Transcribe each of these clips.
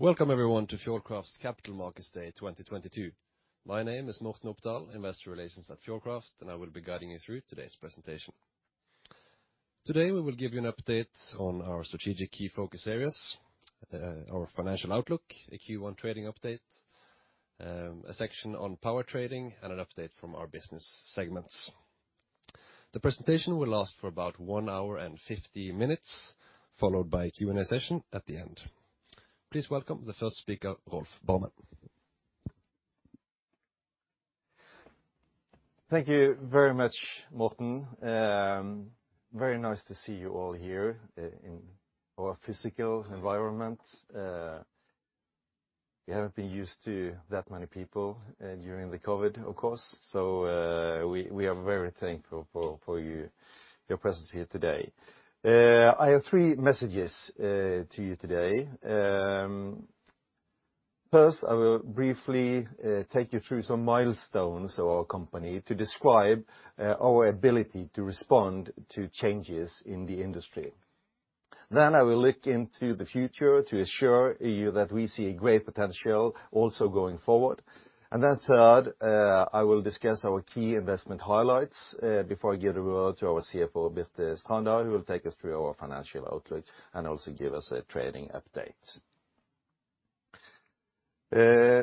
Welcome everyone to Fjordkraft Capital Markets Day 2022. My name is Morten Opdal, investor relations at Fjordkraft, and I will be guiding you through today's presentation. Today, we will give you an update on our strategic key focus areas, our financial outlook, a Q1 trading update, a section on power trading, and an update from our business segments. The presentation will last for about 1 hour and 50 minutes, followed by Q&A session at the end. Please welcome the first speaker, Rolf Barmen. Thank you very much, Morten. Very nice to see you all here in our physical environment. We haven't been used to that many people during the COVID, of course. We are very thankful for your presence here today. I have three messages to you today. First, I will briefly take you through some milestones of our company to describe our ability to respond to changes in the industry. Then I will look into the future to assure you that we see a great potential also going forward. Third, I will discuss our key investment highlights before I give the word to our CFO, Birte Strander, who will take us through our financial outlook and also give us a trading update.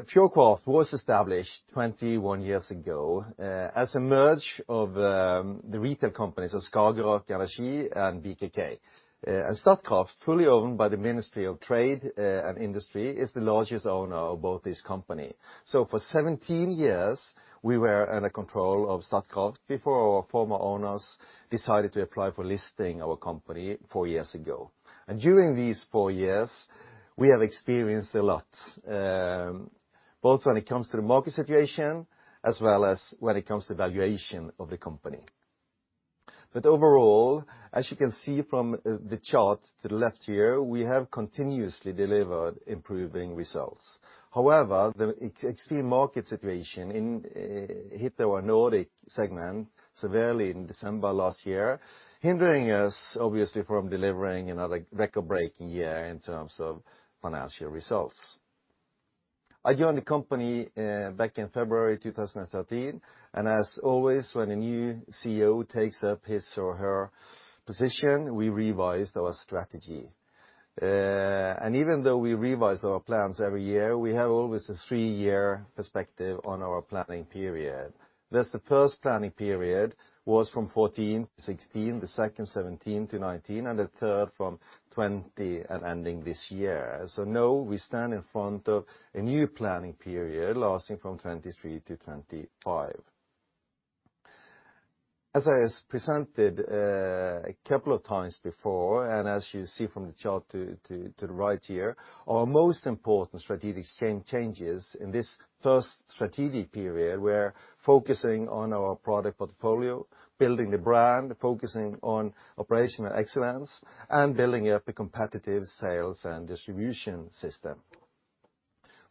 Fjordkraft was established 21 years ago as a merger of the retail companies of Skagerak Energi and BKK. Statkraft, fully owned by the Ministry of Trade and Industry is the largest owner of both these companies. For 17 years, we were under control of Statkraft before our former owners decided to apply for listing our company 4 years ago. During these 4 years, we have experienced a lot, both when it comes to the market situation as well as when it comes to valuation of the company. Overall, as you can see from the chart to the left here, we have continuously delivered improving results. However, the extreme market situation hit our Nordic segment severely in December last year, hindering us, obviously, from delivering another record-breaking year in terms of financial results. I joined the company back in February 2013, and as always, when a new CEO takes up his or her position, we revised our strategy. Even though we revise our plans every year, we have always a three-year perspective on our planning period. Thus, the first planning period was from 2014-2016, the second 2017-2019, and the third from 2020 and ending this year. Now we stand in front of a new planning period lasting from 2023-2025. As I has presented a couple of times before, and as you see from the chart to the right here, our most important strategic changes in this first strategic period, we're focusing on our product portfolio, building the brand, focusing on operational excellence, and building up a competitive sales and distribution system.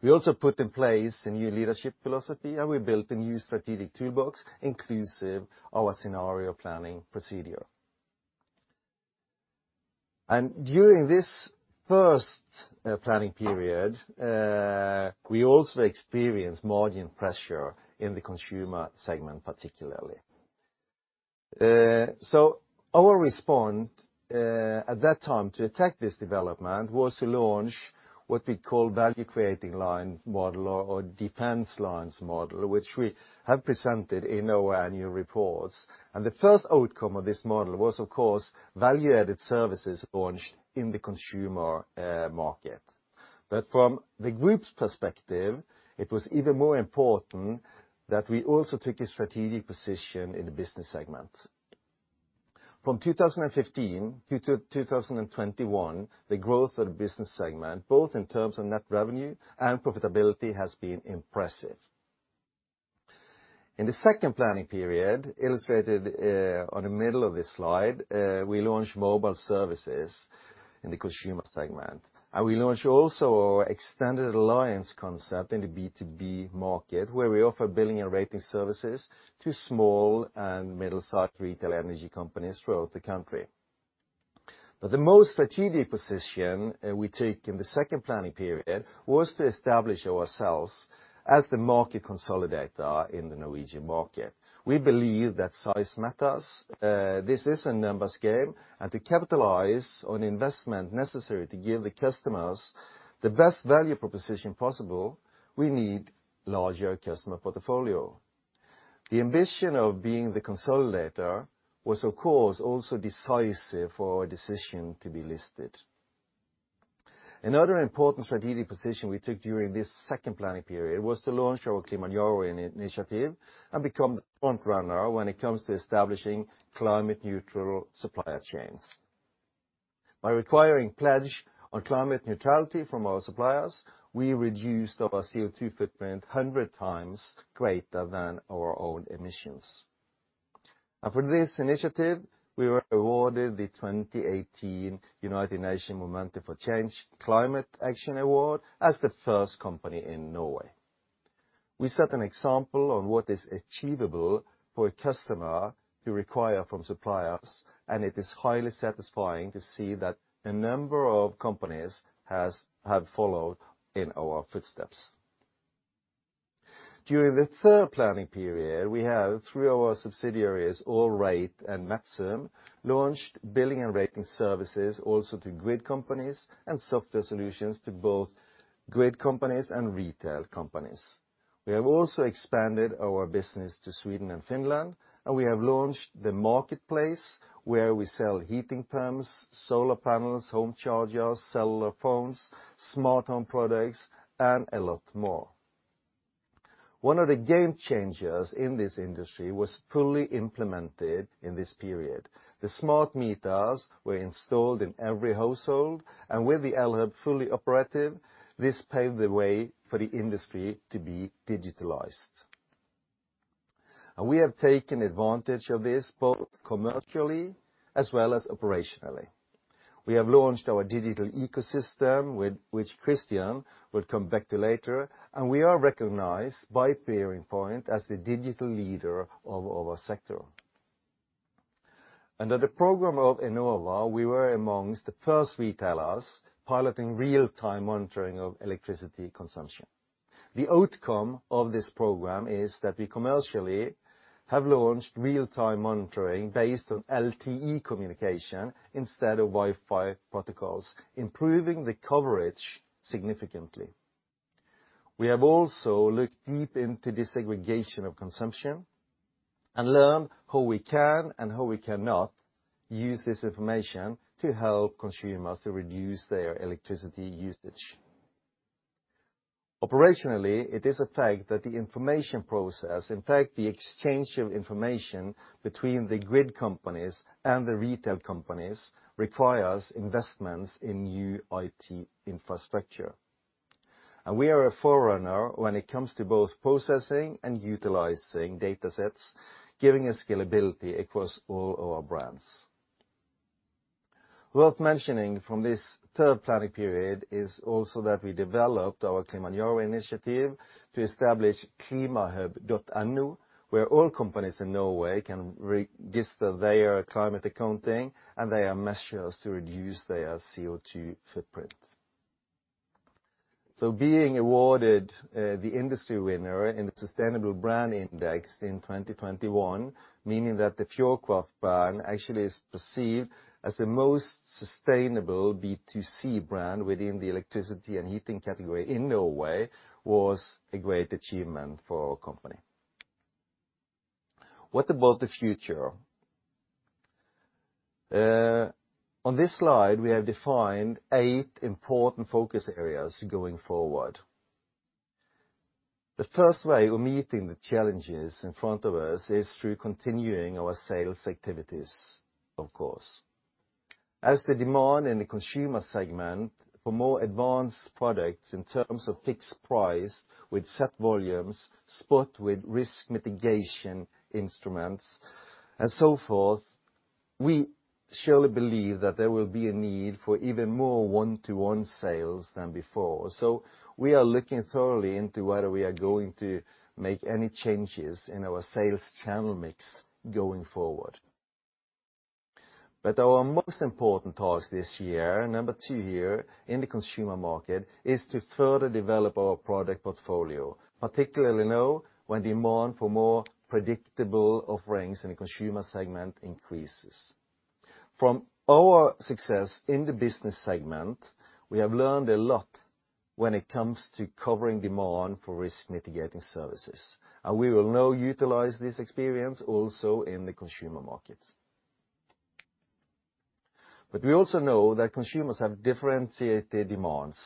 We also put in place a new leadership philosophy, and we built a new strategic toolbox including our scenario planning procedure. During this first planning period, we also experienced margin pressure in the Consumer segment, particularly. Our response at that time to attack this development was to launch what we call value-creating line model or defensive lines model, which we have presented in our annual reports. The first outcome of this model was, of course, value-added services launched in the Consumer market. From the group's perspective, it was even more important that we also took a strategic position in the Business segment. From 2015 to 2021, the growth of the Business segment, both in terms of net revenue and profitability, has been impressive. In the second planning period, illustrated on the middle of this slide, we launched mobile services in the consumer segment. We launched also our extended alliance concept in the B2B market, where we offer billing and rating services to small and middle-sized retail energy companies throughout the country. The most strategic position we take in the second planning period was to establish ourselves as the market consolidator in the Norwegian market. We believe that size matters. This is a numbers game. To capitalize on investment necessary to give the customers the best value proposition possible, we need larger customer portfolio. The ambition of being the consolidator was, of course, also decisive for our decision to be listed. Another important strategic position we took during this second planning period was to launch our Kilimanjaro Initiative and become the front runner when it comes to establishing climate neutral supplier chains. By requiring pledge on climate neutrality from our suppliers, we reduced our CO2 footprint 100 times greater than our own emissions. For this initiative, we were awarded the 2018 United Nations Momentum for Change Climate Action Award as the first company in Norway. We set an example on what is achievable for a customer to require from suppliers, and it is highly satisfying to see that a number of companies have followed in our footsteps. During the third planning period, we have, through our subsidiaries, Allrate and Metzum, launched billing and rating services also to grid companies and software solutions to both grid companies and retail companies. We have also expanded our business to Sweden and Finland, and we have launched the marketplace where we sell heat pumps, solar panels, home chargers, cellular phones, smart home products and a lot more. One of the game-changers in this industry was fully implemented in this period. The smart meters were installed in every household, and with the ELHUB fully operative, this paved the way for the industry to be digitized. We have taken advantage of this both commercially as well as operationally. We have launched our digital ecosystem with which Christian will come back to later, and we are recognized by BearingPoint as the digital leader of our sector. Under the program of Enova, we were among the first retailers piloting real-time monitoring of electricity consumption. The outcome of this program is that we commercially have launched real-time monitoring based on LTE communication instead of Wi-Fi protocols, improving the coverage significantly. We have also looked deep into desegregation of consumption and learned how we can and how we cannot use this information to help consumers to reduce their electricity usage. Operationally, it is a fact that the information process, in fact, the exchange of information between the grid companies and the retail companies, requires investments in new IT infrastructure. We are a forerunner when it comes to both processing and utilizing data sets, giving us scalability across all our brands. Worth mentioning from this third planning period is also that we developed our Klima Norge Initiative to establish klimahub.no where all companies in Norway can register their climate accounting and their measures to reduce their CO2 footprint. Being awarded the industry winner in the Sustainable Brand Index in 2021, meaning that the Fjordkraft brand actually is perceived as the most sustainable B2C brand within the electricity and heating category in Norway, was a great achievement for our company. What about the future? On this slide, we have defined eight important focus areas going forward. The first way of meeting the challenges in front of us is through continuing our sales activities, of course. As the demand in the consumer segment for more advanced products in terms of fixed price with set volumes, spot with risk mitigation instruments and so forth, we surely believe that there will be a need for even more one-to-one sales than before. We are looking thoroughly into whether we are going to make any changes in our sales channel mix going forward. Our most important task this year, number two here, in the consumer market, is to further develop our product portfolio, particularly now when demand for more predictable offerings in the consumer segment increases. From our success in the business segment, we have learned a lot when it comes to covering demand for risk mitigating services, and we will now utilize this experience also in the consumer market. We also know that consumers have differentiated demands.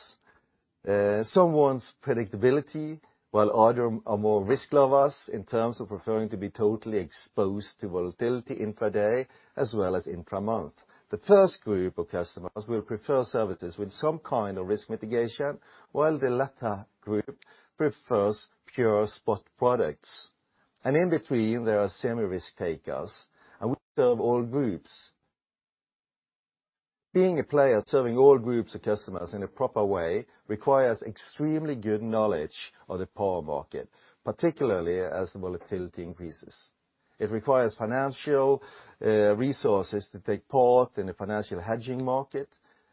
Some want predictability, while others are more risk lovers in terms of preferring to be totally exposed to volatility intra-day as well as intra-month. The first group of customers will prefer services with some kind of risk mitigation, while the latter group prefers pure spot products. In between, there are semi-risk takers, and we serve all groups. Being a player serving all groups of customers in a proper way requires extremely good knowledge of the power market, particularly as the volatility increases. It requires financial resources to take part in the financial hedging market,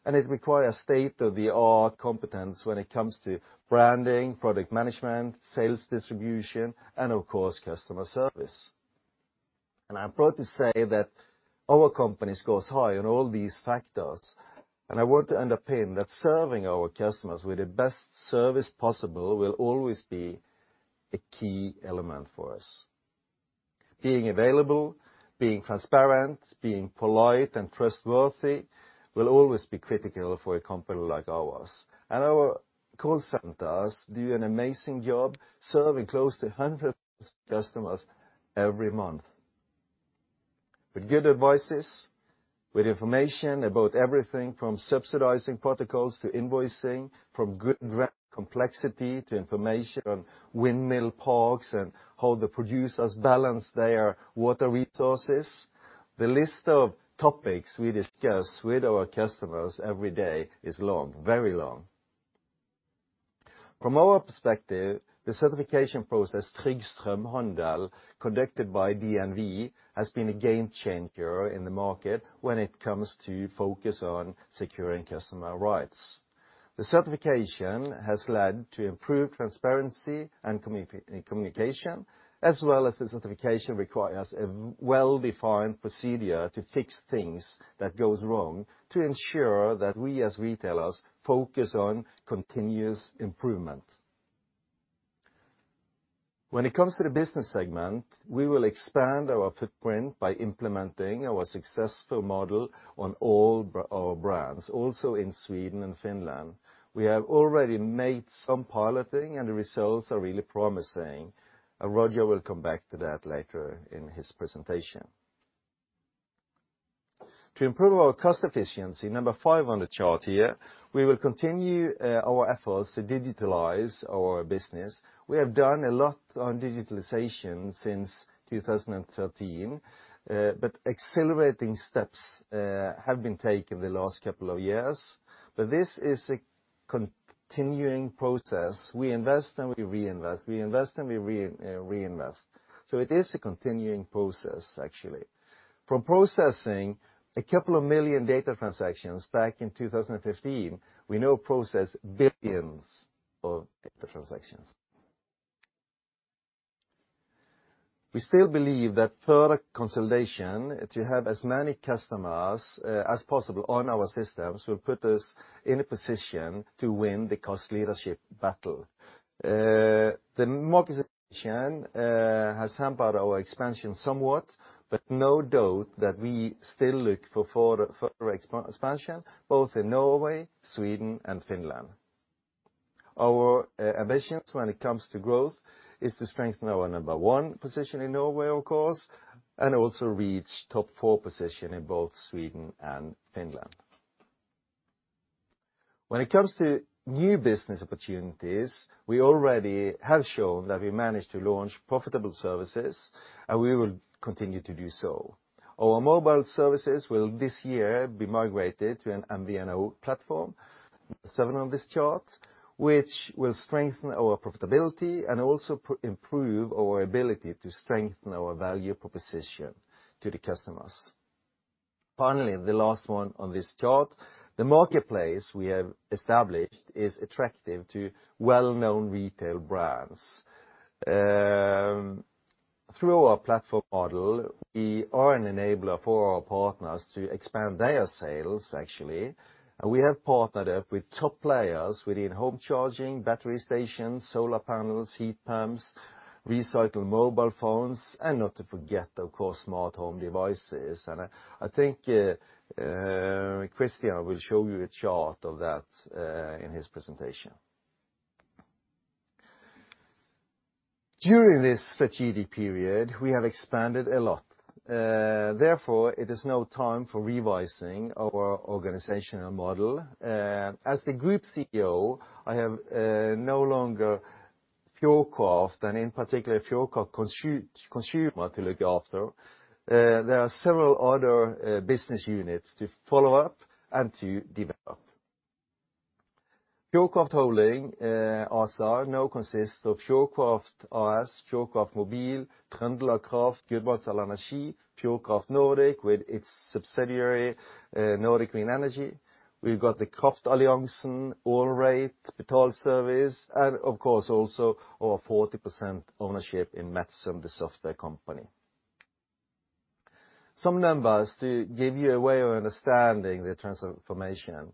and it requires state-of-the-art competence when it comes to branding, product management, sales distribution, and of course, customer service. I'm proud to say that our company scores high on all these factors, and I want to underpin that serving our customers with the best service possible will always be a key element for us. Being available, being transparent, being polite and trustworthy will always be critical for a company like ours. Our call centers do an amazing job serving close to 100 customers every month. With good advice, with information about everything from subsidizing protocols to invoicing, from grid complexity to information on windmill parks and how the producers balance their water resources, the list of topics we discuss with our customers every day is long, very long. From our perspective, the certification process Trygg Strømhandel conducted by DNV has been a game-changer in the market when it comes to focus on securing customer rights. The certification has led to improved transparency and communication, as well as the certification requires a well-defined procedure to fix things that go wrong to ensure that we as retailers focus on continuous improvement. When it comes to the business segment, we will expand our footprint by implementing our successful model on all our brands, also in Sweden and Finland. We have already made some piloting and the results are really promising. Roger will come back to that later in his presentation. To improve our cost efficiency, number 5 on the chart here, we will continue our efforts to digitalize our business. We have done a lot on digitalization since 2013, but accelerating steps have been taken the last couple of years. This is a continuing process. We invest and we reinvest. It is a continuing process actually. From processing a couple of million data transactions back in 2015, we now process billions of data transactions. We still believe that further consolidation, to have as many customers as possible on our systems will put us in a position to win the cost leadership battle. The market saturation has hampered our expansion somewhat, but no doubt that we still look for further expansion both in Norway, Sweden and Finland. Our ambitions when it comes to growth is to strengthen our number one position in Norway, of course, and also reach top four position in both Sweden and Finland. When it comes to new business opportunities, we already have shown that we managed to launch profitable services, and we will continue to do so. Our mobile services will this year be migrated to an MVNO platform, seven on this chart, which will strengthen our profitability and also improve our ability to strengthen our value proposition to the customers. Finally, the last one on this chart, the marketplace we have established is attractive to well-known retail brands. Through our platform model, we are an enabler for our partners to expand their sales actually. We have partnered up with top players within home charging, battery stations, solar panels, heat pumps, recycled mobile phones, and not to forget, of course, smart home devices. I think Christian will show you a chart of that in his presentation. During this strategic period, we have expanded a lot. Therefore, it is now time for revising our organizational model. As the Group CEO, I have no longer Fjordkraft and in particular Fjordkraft Consumer to look after. There are several other business units to follow up and to develop. Fjordkraft Holding also now consists of Fjordkraft AS, Fjordkraft Mobil, TrøndelagKraft, Gudbrandsdal Energi, Fjordkraft Nordic with its subsidiary, Nordic Green Energy. We've got the Kraftalliansen, Allrate, Betalservice, and of course also our 40% ownership in Metzum, the software company. Some numbers to give you a way of understanding the transformation.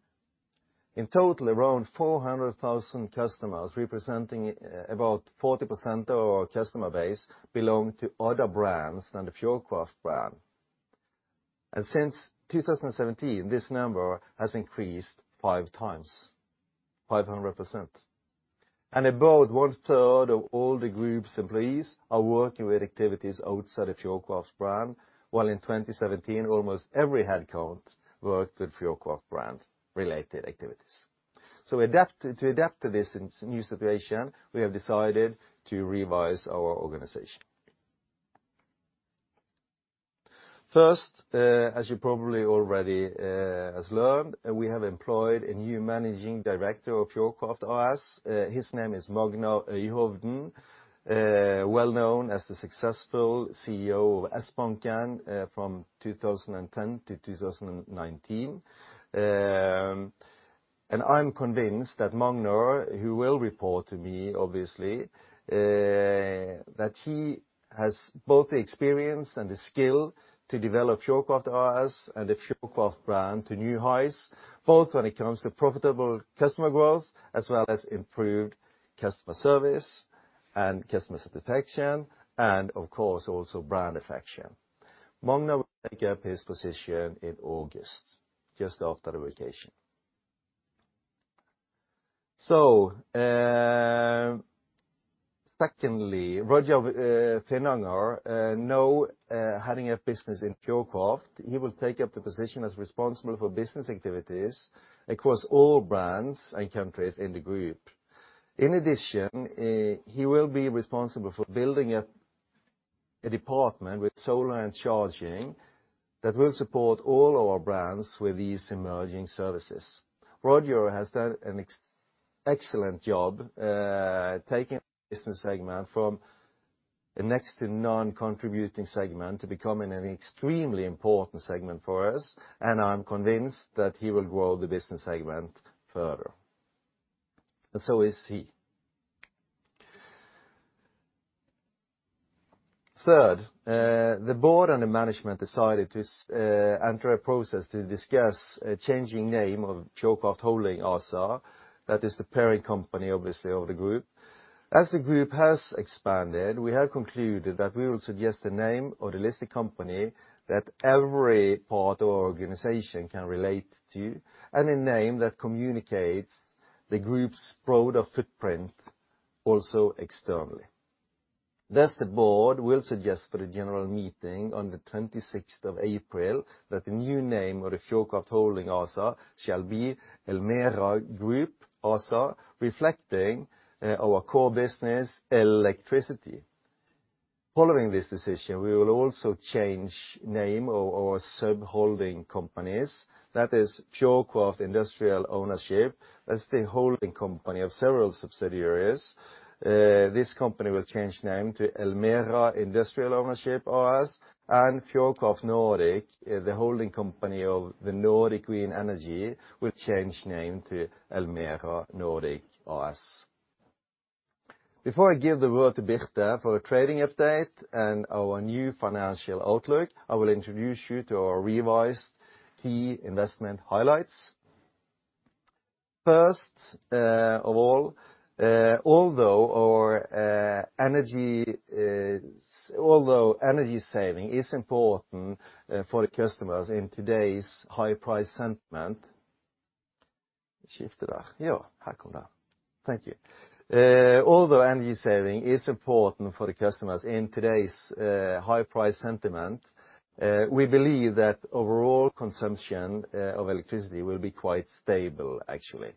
In total, around 400,000 customers representing about 40% of our customer base belong to other brands than the Fjordkraft brand. Since 2017, this number has increased five times, 500%. About one-third of all the group's employees are working with activities outside of Fjordkraft's brand, while in 2017 almost every headcount worked with Fjordkraft brand related activities. To adapt to this new situation, we have decided to revise our organization. First, as you probably already has learned, we have employed a new managing director of Fjordkraft AS. His name is Magnar Øyhovden, well-known as the successful CEO of Sbanken, from 2010 to 2019. I'm convinced that Magnar, who will report to me obviously, that he has both the experience and the skill to develop Fjordkraft AS and the Fjordkraft brand to new highs, both when it comes to profitable customer growth as well as improved customer service and customer satisfaction and of course also brand affection. Magnar will take up his position in August, just after the vacation. Secondly, Roger Finnanger, now heading up business in Fjordkraft, he will take up the position as responsible for business activities across all brands and countries in the group. In addition, he will be responsible for building up a department with solar and charging that will support all our brands with these emerging services. Roger has done an excellent job, taking business segment from a next to non-contributing segment to becoming an extremely important segment for us, and I'm convinced that he will grow the business segment further. So is he. Third, the board and the management decided to enter a process to discuss a changing name of Fjordkraft Holding ASA. That is the parent company, obviously, of the group. As the group has expanded, we have concluded that we will suggest the name of the listed company that every part or organization can relate to, and a name that communicates the group's broader footprint also externally. Thus, the board will suggest at a general meeting on the twenty-sixth of April that the new name of the Fjordkraft Holding ASA shall be Elmera Group ASA, reflecting our core business, electricity. Following this decision, we will also change name of our sub-holding companies, that is Fjordkraft Industrial Ownership. That's the holding company of several subsidiaries. This company will change name to Elmera Industrial Ownership AS and Fjordkraft Nordic, the holding company of the Nordic Green Energy, will change name to Elmera Nordic AS. Before I give the word to Birte for a trading update and our new financial outlook, I will introduce you to our revised key investment highlights. First, of all, although our energy is. Although energy saving is important for the customers in today's high-price sentiment. Thank you. Although energy saving is important for the customers in today's high-price sentiment, we believe that overall consumption of electricity will be quite stable actually.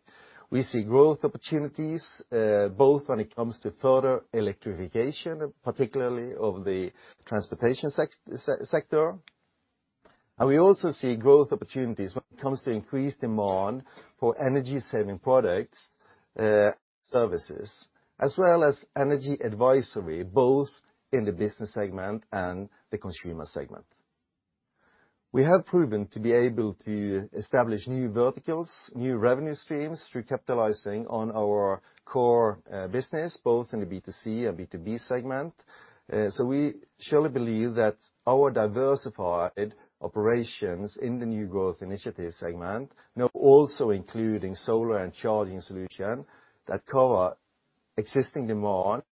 We see growth opportunities both when it comes to further electrification, particularly of the transportation sector. We also see growth opportunities when it comes to increased demand for energy-saving products, services, as well as energy advisory, both in the Business segment and the Consumer segment. We have proven to be able to establish new verticals, new revenue streams through capitalizing on our core business, both in the B2C and B2B segment. We surely believe that our diversified operations in the new growth initiatives segment, now also including solar and charging solution that cover existing demand,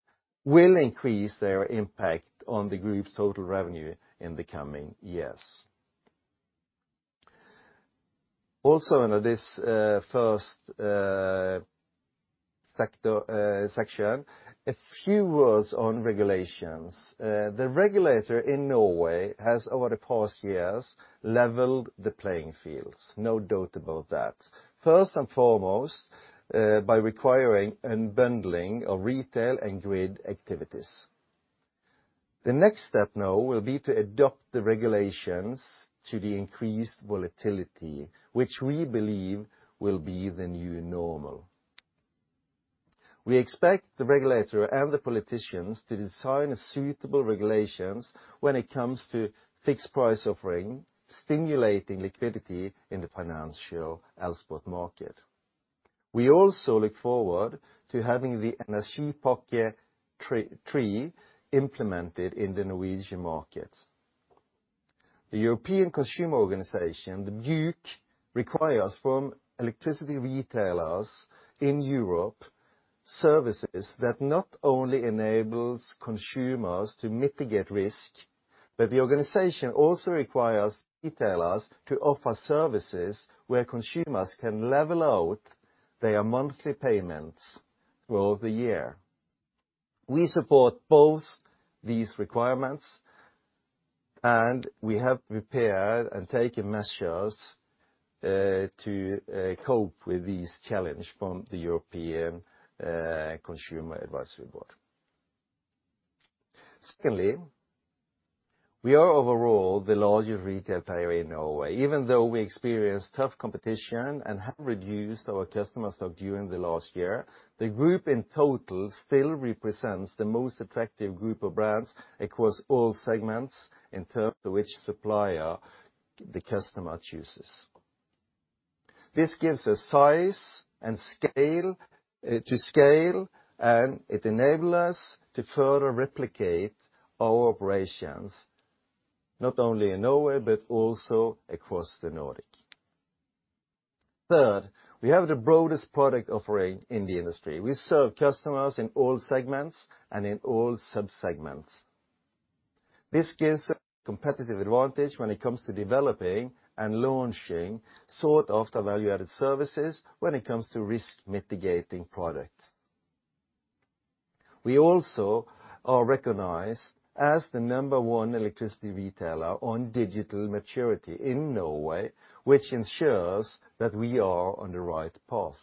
will increase their impact on the group's total revenue in the coming years. Under this first sector section, a few words on regulations. The regulator in Norway has, over the past years, leveled the playing fields. No doubt about that. First and foremost, by requiring unbundling of retail and grid activities. The next step now will be to adopt the regulations to the increased volatility, which we believe will be the new normal. We expect the regulator and the politicians to design suitable regulations when it comes to fixed price offering, stimulating liquidity in the financial Elspot market. We also look forward to having the Third Energy Package implemented in the Norwegian markets. The European Consumer Organisation, the BEUC, requires from electricity retailers in Europe services that not only enables consumers to mitigate risk, but the organization also requires retailers to offer services where consumers can level out their monthly payments throughout the year. We support both these requirements, and we have prepared and taken measures to cope with this challenge from the European Consumer Advisory Board. Secondly, we are overall the largest retail player in Norway. Even though we experience tough competition and have reduced our customer stock during the last year, the group in total still represents the most attractive group of brands across all segments in terms of which supplier the customer chooses. This gives a size and scale to scale, and it enable us to further replicate our operations, not only in Norway but also across the Nordic. Third, we have the broadest product offering in the industry. We serve customers in all segments and in all sub-segments. This gives a competitive advantage when it comes to developing and launching sought-after value-added services when it comes to risk-mitigating products. We also are recognized as the number one electricity retailer on digital maturity in Norway, which ensures that we are on the right path.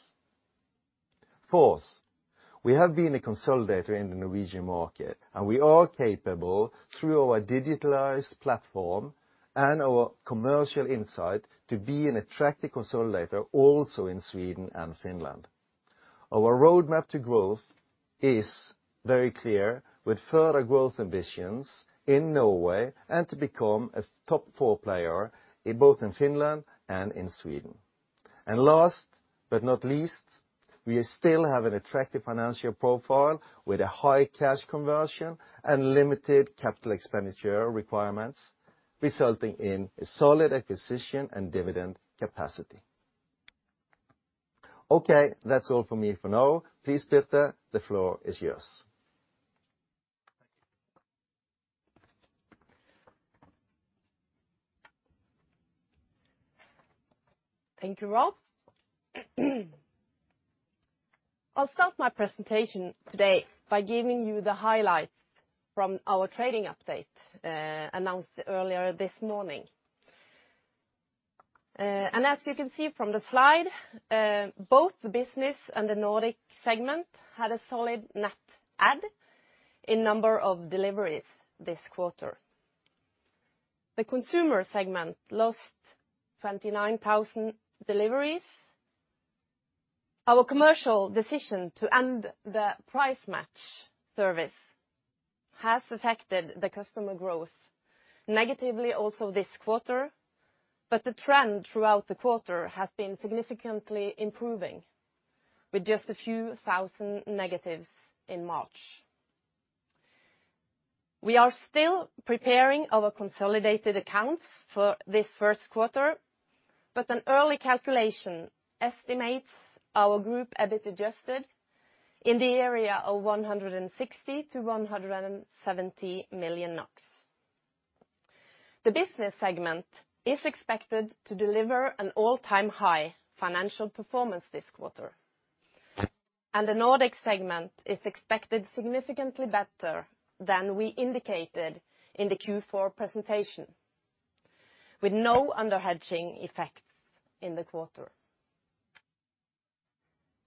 Fourth, we have been a consolidator in the Norwegian market, and we are capable through our digitalized platform and our commercial insight to be an attractive consolidator also in Sweden and Finland. Our roadmap to growth is very clear with further growth ambitions in Norway and to become a top four player in both Finland and Sweden. Last but not least, we still have an attractive financial profile with a high cash conversion and limited capital expenditure requirements, resulting in a solid acquisition and dividend capacity. Okay, that's all from me for now. Please, Birte, the floor is yours. Thank you. Thank you, Rolf. I'll start my presentation today by giving you the highlights from our trading update, announced earlier this morning. As you can see from the slide, both the Business and the Nordic segment had a solid net add in number of deliveries this quarter. The Consumer segment lost 29,000 deliveries. Our commercial decision to end the price match service has affected the customer growth negatively also this quarter, but the trend throughout the quarter has been significantly improving with just a few thousand negatives in March. We are still preparing our consolidated accounts for this Q1, but an early calculation estimates our Group EBIT Adjusted in the area of 160 million-170 million NOK. The Business segment is expected to deliver an all-time high financial performance this quarter. The Nordic segment is expected significantly better than we indicated in the Q4 presentation, with no underhedging effects in the quarter.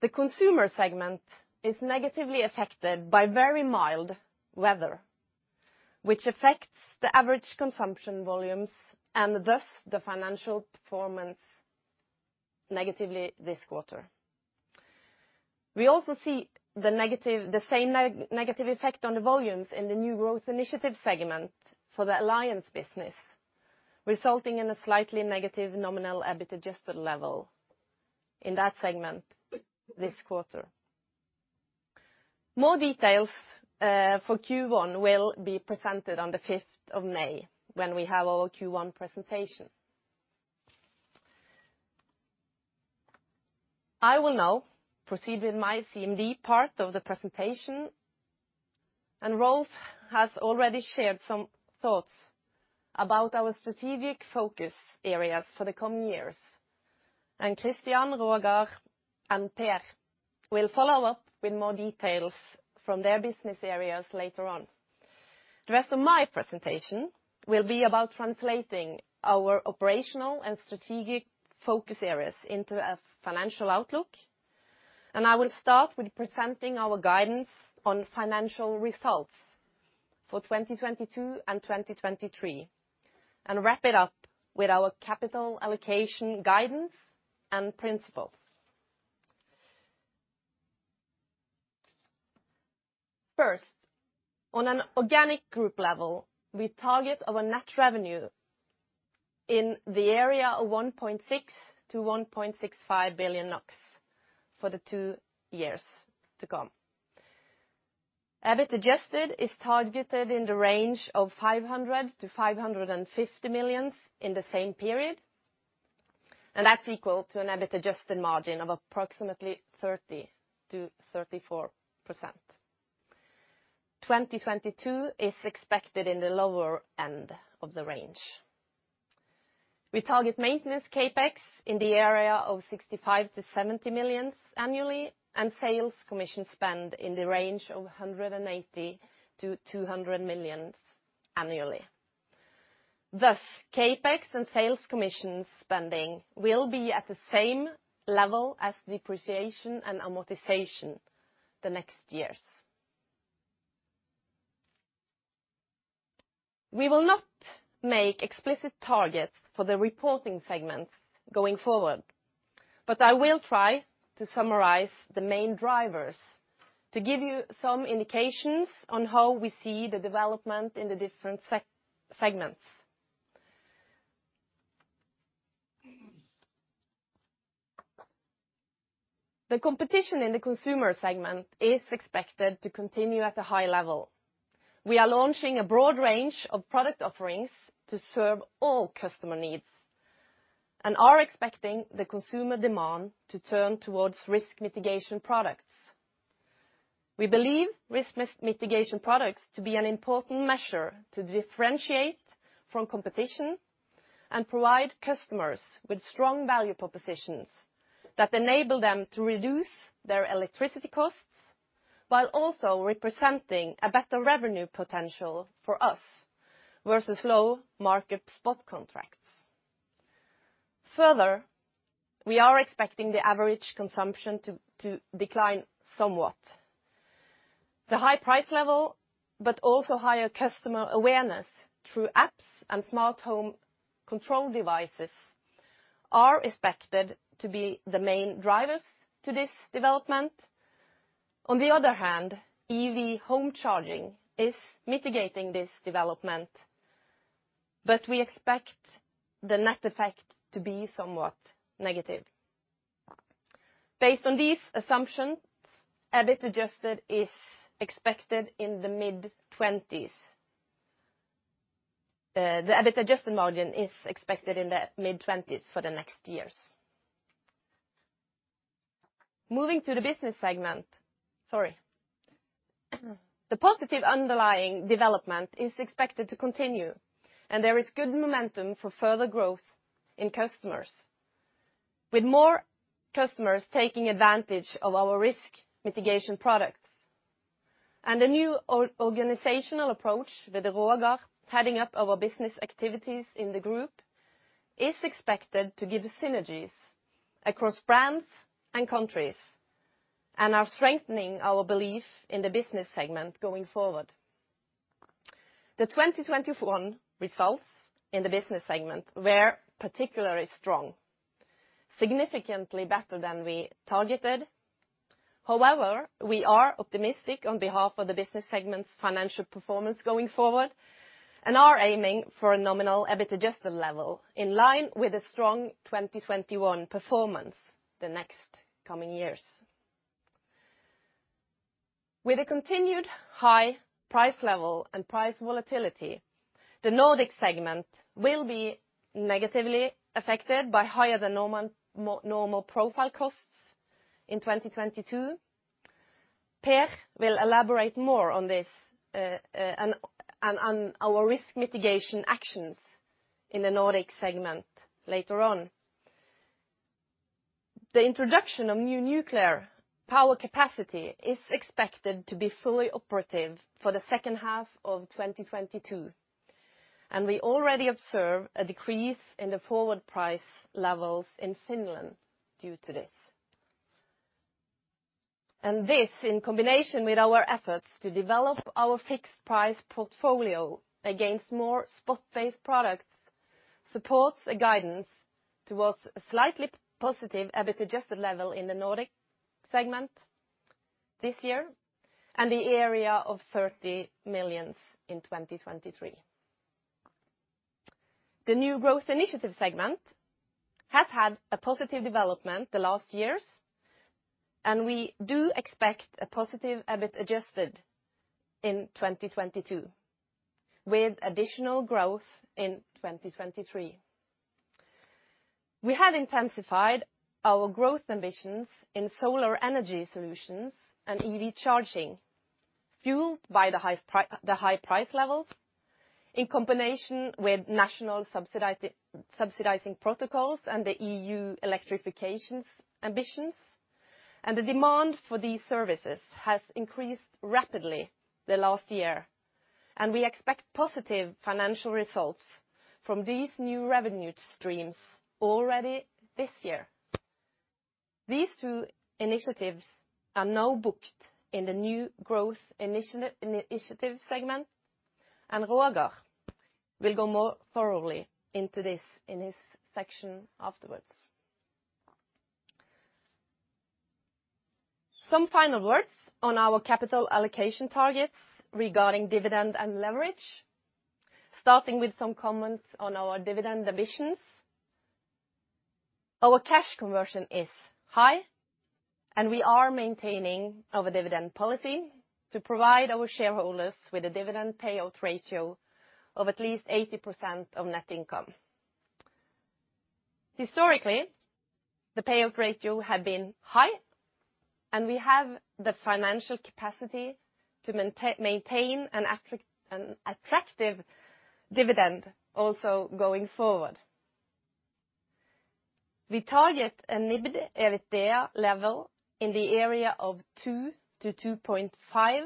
The Consumer segment is negatively affected by very mild weather, which affects the average consumption volumes and thus the financial performance negatively this quarter. We also see the same negative effect on the volumes in the new growth initiative segment for the alliance business, resulting in a slightly negative nominal Adjusted EBIT level in that segment this quarter. More details for Q1 will be presented on the fifth of May when we have our Q1 presentation. I will now proceed with my CMD part of the presentation. Rolf has already shared some thoughts about our strategic focus areas for the coming years. Christian, Roger, and Per will follow up with more details from their business areas later on. The rest of my presentation will be about translating our operational and strategic focus areas into a financial outlook, and I will start with presenting our guidance on financial results for 2022 and 2023 and wrap it up with our capital allocation guidance and principles. First, on an organic group level, we target our net revenue in the area of 1.6 billion to 1.65 billion for the two years to come. Adjusted EBIT is targeted in the range of 500 million-550 million in the same period, and that's equal to an EBIT adjusted margin of approximately 30%-34%. 2022 is expected in the lower end of the range. We target maintenance CapEx in the area of 65 million-70 million annually and sales commission spend in the range of 180 million-200 million annually. Thus, CapEx and sales commission spending will be at the same level as depreciation and amortization the next years. We will not make explicit targets for the reporting segments going forward, but I will try to summarize the main drivers to give you some indications on how we see the development in the different segments. The competition in the Consumer segment is expected to continue at a high level. We are launching a broad range of product offerings to serve all customer needs and are expecting the consumer demand to turn towards risk mitigation products. We believe risk mitigation products to be an important measure to differentiate from competition and provide customers with strong value propositions that enable them to reduce their electricity costs while also representing a better revenue potential for us versus low-margin spot contracts. Further, we are expecting the average consumption to decline somewhat. The high price level, but also higher customer awareness through apps and smart home control devices are expected to be the main drivers to this development. On the other hand, EV home charging is mitigating this development, but we expect the net effect to be somewhat negative. Based on these assumptions, Adjusted EBIT is expected in the mid-20s. The Adjusted EBIT margin is expected in the mid-20s for the next years. The positive underlying development is expected to continue, and there is good momentum for further growth in customers, with more customers taking advantage of our risk mitigation products. The new organizational approach with Roger heading up our business activities in the group is expected to give synergies across brands and countries, and are strengthening our belief in the Business segment going forward. The 2021 results in the Business segment were particularly strong, significantly better than we targeted. However, we are optimistic on behalf of the Business segment's financial performance going forward, and are aiming for a nominal Adjusted EBIT level in line with a strong 2021 performance the next coming years. With a continued high price level and price volatility, the Nordic segment will be negatively affected by higher than normal profile costs in 2022. Per will elaborate more on this, and on our risk mitigation actions in the Nordic segment later on. The introduction of new nuclear power capacity is expected to be fully operative for the second half of 2022, and we already observe a decrease in the forward price levels in Finland due to this. This, in combination with our efforts to develop our fixed price portfolio against more spot-based products, supports a guidance towards a slightly positive Adjusted EBIT level in the Nordic segment this year, and the area of 30 million in 2023. The new growth initiative segment has had a positive development the last years, and we do expect a positive Adjusted EBIT in 2022, with additional growth in 2023. We have intensified our growth ambitions in solar energy solutions and EV charging, fueled by the high price levels, in combination with national subsidizing protocols and the EU electrification ambitions. The demand for these services has increased rapidly the last year, and we expect positive financial results from these new revenue streams already this year. These two initiatives are now booked in the new growth initiative segment, and Roger will go more thoroughly into this in his section afterwards. Some final words on our capital allocation targets regarding dividend and leverage, starting with some comments on our dividend ambitions. Our cash conversion is high, and we are maintaining our dividend policy to provide our shareholders with a dividend payout ratio of at least 80% of net income. Historically, the payout ratio had been high, and we have the financial capacity to maintain an attractive dividend also going forward. We target an EBITA level in the area of 2-2.5,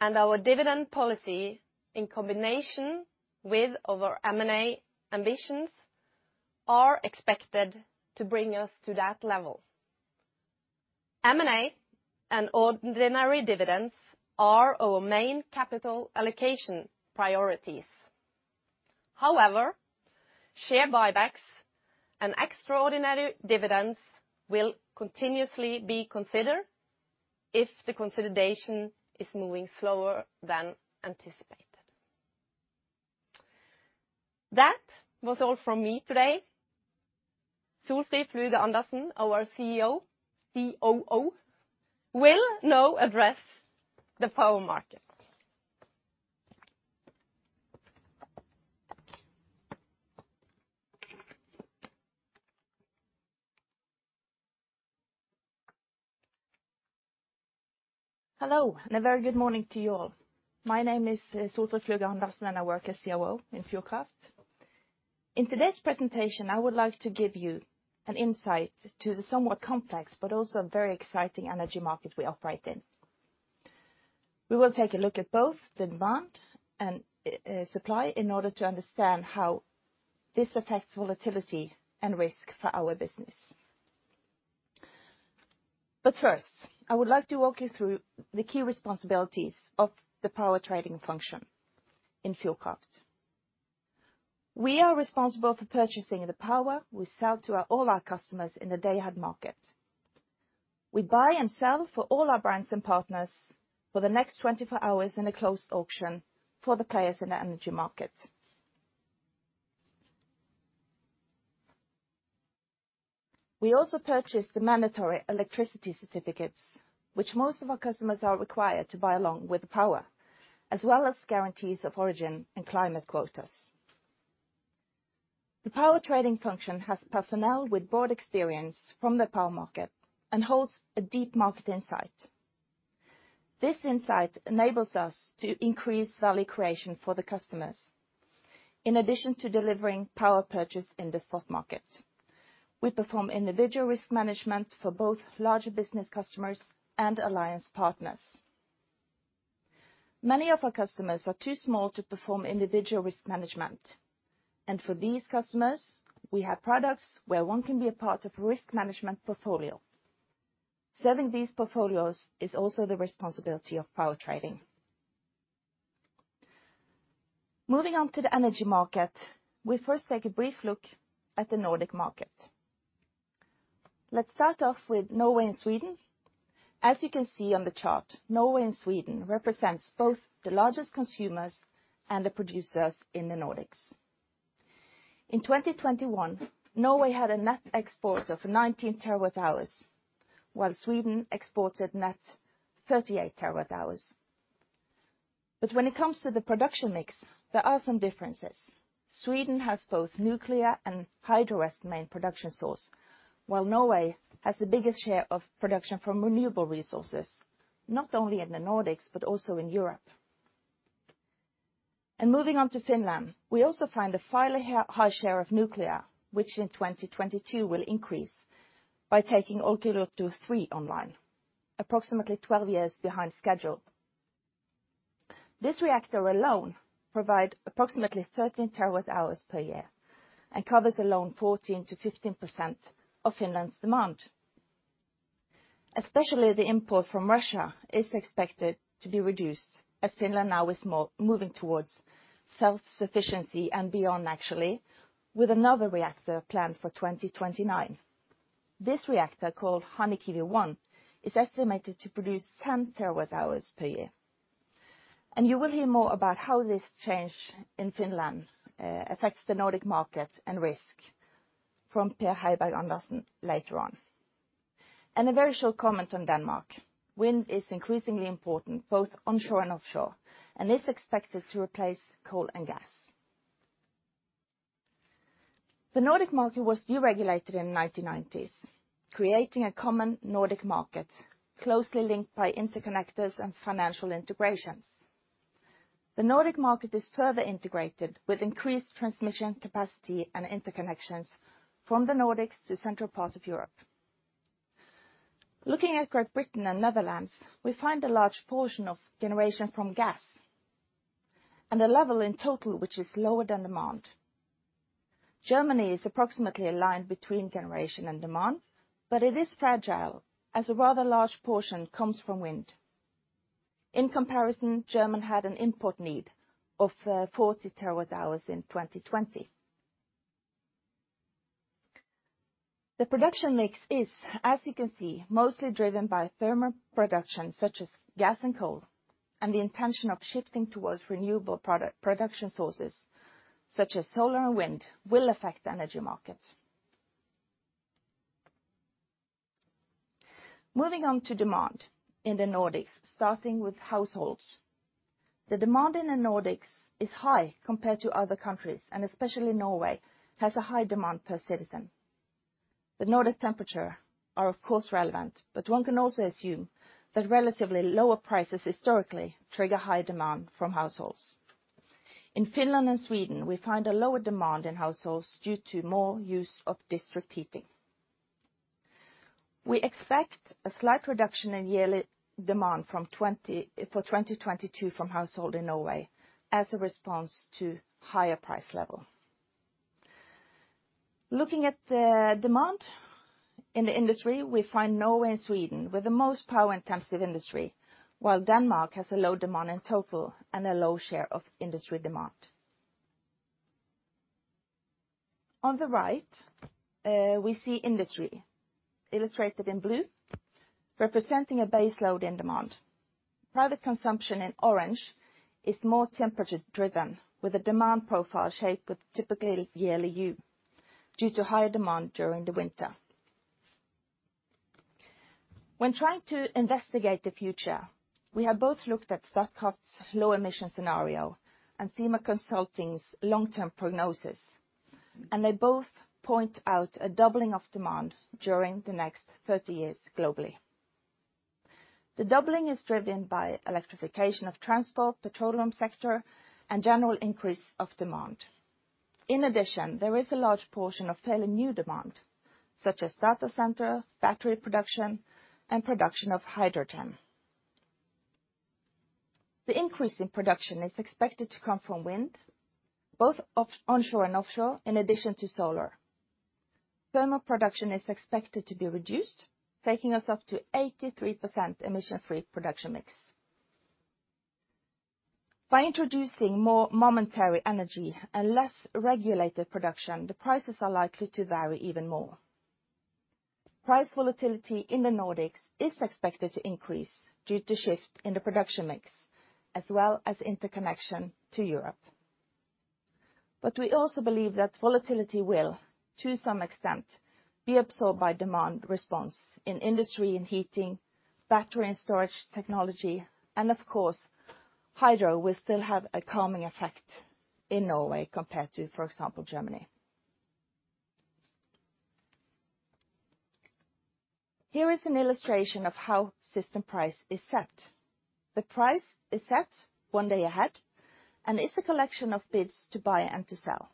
and our dividend policy, in combination with our M&A ambitions, are expected to bring us to that level. M&A and ordinary dividends are our main capital allocation priorities. However, share buybacks and extraordinary dividends will continuously be considered if the consolidation is moving slower than anticipated. That was all from me today. Solfrid Fluge Andersen, our CEO, COO, will now address the power market. Hello, and a very good morning to you all. My name is Solfrid Fluge Andersen, and I work as COO in Fjordkraft. In today's presentation, I would like to give you an insight to the somewhat complex but also very exciting energy market we operate in. We will take a look at both demand and supply in order to understand how this affects volatility and risk for our business. First, I would like to walk you through the key responsibilities of the power trading function in Fjordkraft. We are responsible for purchasing the power we sell to all our customers in the day-ahead market. We buy and sell for all our brands and partners for the next 24 hours in a closed auction for the players in the energy market. We also purchase the mandatory electricity certificates, which most of our customers are required to buy along with the power, as well as guarantees of origin and climate quotas. The power trading function has personnel with broad experience from the power market and holds a deep market insight. This insight enables us to increase value creation for the customers. In addition to delivering power purchase in the spot market, we perform individual risk management for both larger business customers and alliance partners. Many of our customers are too small to perform individual risk management, and for these customers, we have products where one can be a part of risk management portfolio. Serving these portfolios is also the responsibility of power trading. Moving on to the energy market, we first take a brief look at the Nordic market. Let's start off with Norway and Sweden. As you can see on the chart, Norway and Sweden represents both the largest consumers and the producers in the Nordics. In 2021, Norway had a net export of 19 terawatt hours, while Sweden exported net 38 terawatt hours. When it comes to the production mix, there are some differences. Sweden has both nuclear and hydro as the main production source, while Norway has the biggest share of production from renewable resources, not only in the Nordics, but also in Europe. Moving on to Finland, we also find a fairly high share of nuclear, which in 2022 will increase by taking Olkiluoto 3 online, approximately 12 years behind schedule. This reactor alone provide approximately 13 terawatt hours per year and covers alone 14%-15% of Finland's demand. Especially the import from Russia is expected to be reduced as Finland now is moving towards self-sufficiency and beyond actually, with another reactor planned for 2029. This reactor, called Hanhikivi 1, is estimated to produce 10 TWh per year. You will hear more about how this change in Finland affects the Nordic market and risk from Per Heiberg-Andersen later on. A very short comment on Denmark. Wind is increasingly important, both onshore and offshore, and is expected to replace coal and gas. The Nordic market was deregulated in the 1990s, creating a common Nordic market closely linked by interconnectors and financial integrations. The Nordic market is further integrated with increased transmission capacity and interconnections from the Nordics to central part of Europe. Looking at Great Britain and Netherlands, we find a large portion of generation from gas and a level in total which is lower than demand. Germany is approximately aligned between generation and demand, but it is fragile as a rather large portion comes from wind. In comparison, Germany had an import need of 40 TWh in 2020. The production mix is, as you can see, mostly driven by thermal production such as gas and coal, and the intention of shifting towards renewable production sources such as solar and wind will affect the energy markets. Moving on to demand in the Nordics, starting with households. The demand in the Nordics is high compared to other countries, and especially Norway has a high demand per citizen. The Nordic temperature are of course relevant, but one can also assume that relatively lower prices historically trigger high demand from households. In Finland and Sweden, we find a lower demand in households due to more use of district heating. We expect a slight reduction in yearly demand from April 20, 2022 from households in Norway as a response to higher price level. Looking at the demand in the industry, we find Norway and Sweden with the most power-intensive industry, while Denmark has a low demand in total and a low share of industry demand. On the right, we see industry illustrated in blue, representing a base load in demand. Private consumption in orange is more temperature driven, with a demand profile shaped with typically yearly U, due to higher demand during the winter. When trying to investigate the future, we have both looked at Statkraft's low emission scenario and THEMA Consulting's long-term prognosis, and they both point out a doubling of demand during the next 30 years globally. The doubling is driven by electrification of transport, petroleum sector, and general increase of demand. In addition, there is a large portion of fairly new demand, such as data center, battery production, and production of hydrogen. The increase in production is expected to come from wind, both onshore and offshore, in addition to solar. Thermal production is expected to be reduced, taking us up to 83% emission-free production mix. By introducing more intermittent energy and less regulated production, the prices are likely to vary even more. Price volatility in the Nordics is expected to increase due to shift in the production mix, as well as interconnection to Europe. We also believe that volatility will, to some extent, be absorbed by demand response in industry and heating, battery and storage technology, and of course, hydro will still have a calming effect in Norway compared to, for example, Germany. Here is an illustration of how system price is set. The price is set one day ahead and it's a collection of bids to buy and to sell.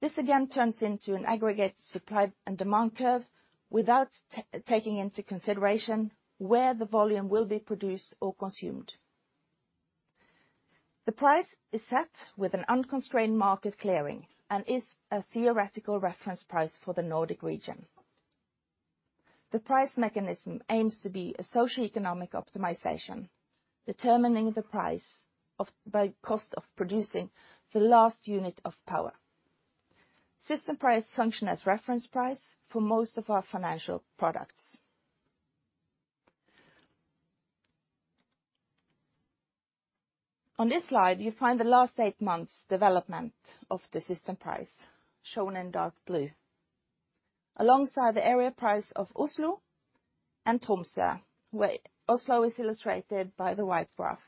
This again turns into an aggregate supply and demand curve without taking into consideration where the volume will be produced or consumed. The price is set with an unconstrained market clearing and is a theoretical reference price for the Nordic region. The price mechanism aims to be a socioeconomic optimization, determining the price by cost of producing the last unit of power. System price function as reference price for most of our financial products. On this slide, you find the last eight months development of the system price, shown in dark blue, alongside the area price of Oslo and Tromsø, where Oslo is illustrated by the white graph.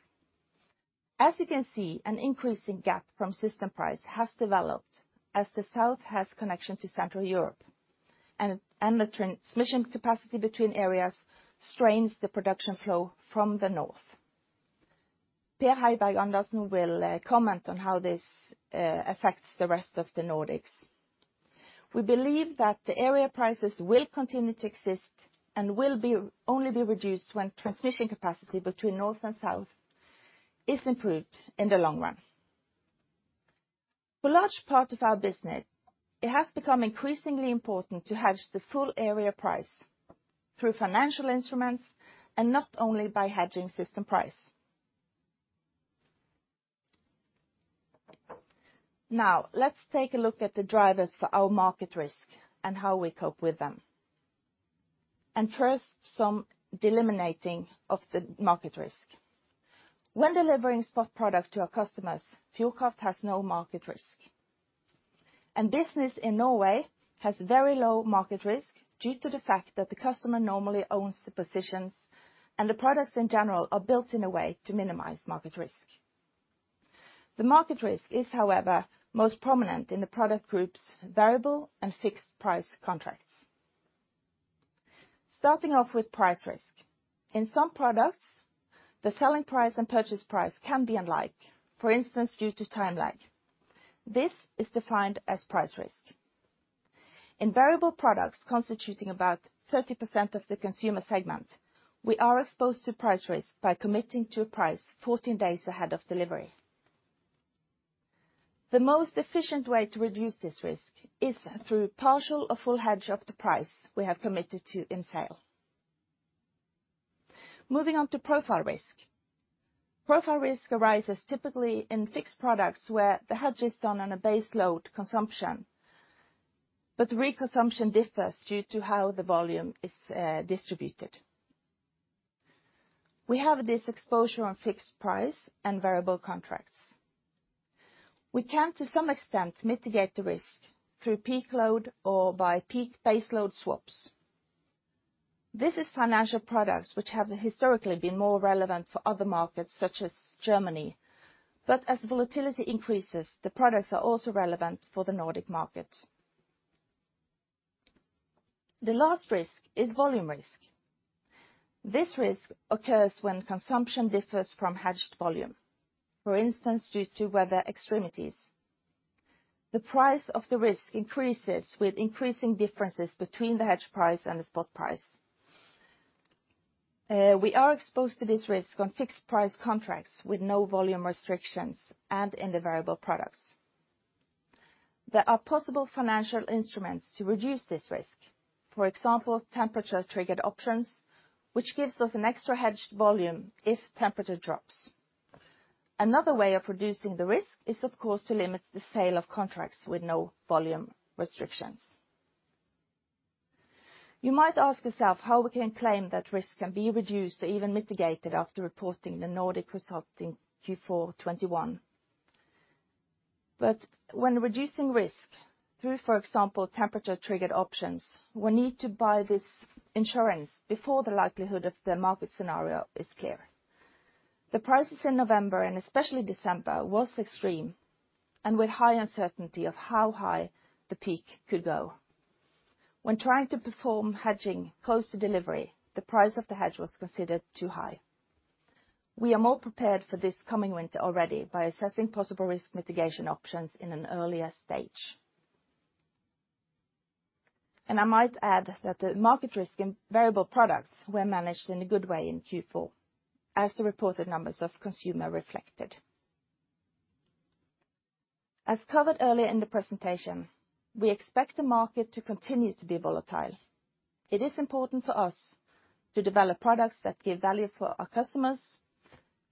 As you can see, an increasing gap from system price has developed as the south has connection to Central Europe, and the transmission capacity between areas strains the production flow from the north. Per Heiberg-Andersen will comment on how this affects the rest of the Nordics. We believe that the area prices will continue to exist and will only be reduced when transmission capacity between north and south is improved in the long run. For large part of our business, it has become increasingly important to hedge the full area price through financial instruments and not only by hedging system price. Now, let's take a look at the drivers for our market risk and how we cope with them. First, some delimiting of the market risk. When delivering spot product to our customers, fuel cost has no market risk. Business in Norway has very low market risk due to the fact that the customer normally owns the positions, and the products in general are built in a way to minimize market risk. The market risk is, however, most prominent in the product group's variable and fixed price contracts. Starting off with price risk. In some products, the selling price and purchase price can be alike, for instance, due to time lag. This is defined as price risk. In variable products constituting about 30% of the Consumer segment, we are exposed to price risk by committing to a price 14 days ahead of delivery. The most efficient way to reduce this risk is through partial or full hedge of the price we have committed to in sale. Moving on to profile risk. Profile risk arises typically in fixed products where the hedge is done on a base load consumption, but the reconsumption differs due to how the volume is distributed. We have this exposure on fixed price and variable contracts. We can, to some extent, mitigate the risk through peak load or by peak base load swaps. This is financial products which have historically been more relevant for other markets such as Germany. As volatility increases, the products are also relevant for the Nordic market. The last risk is volume risk. This risk occurs when consumption differs from hedged volume, for instance, due to weather extremes. The price of the risk increases with increasing differences between the hedge price and the spot price. We are exposed to this risk on fixed price contracts with no volume restrictions and in the variable products. There are possible financial instruments to reduce this risk. For example, temperature-triggered options, which gives us an extra hedged volume if temperature drops. Another way of reducing the risk is, of course, to limit the sale of contracts with no volume restrictions. You might ask yourself how we can claim that risk can be reduced or even mitigated after reporting the Nordic results in Q4 2021. When reducing risk through, for example, temperature-triggered options, we need to buy this insurance before the likelihood of the market scenario is clear. The prices in November, and especially December, was extreme and with high uncertainty of how high the peak could go. When trying to perform hedging close to delivery, the price of the hedge was considered too high. We are more prepared for this coming winter already by assessing possible risk mitigation options in an earlier stage. I might add that the market risk in variable products were managed in a good way in Q4 as the reported numbers of consumer reflected. As covered earlier in the presentation, we expect the market to continue to be volatile. It is important for us to develop products that give value for our customers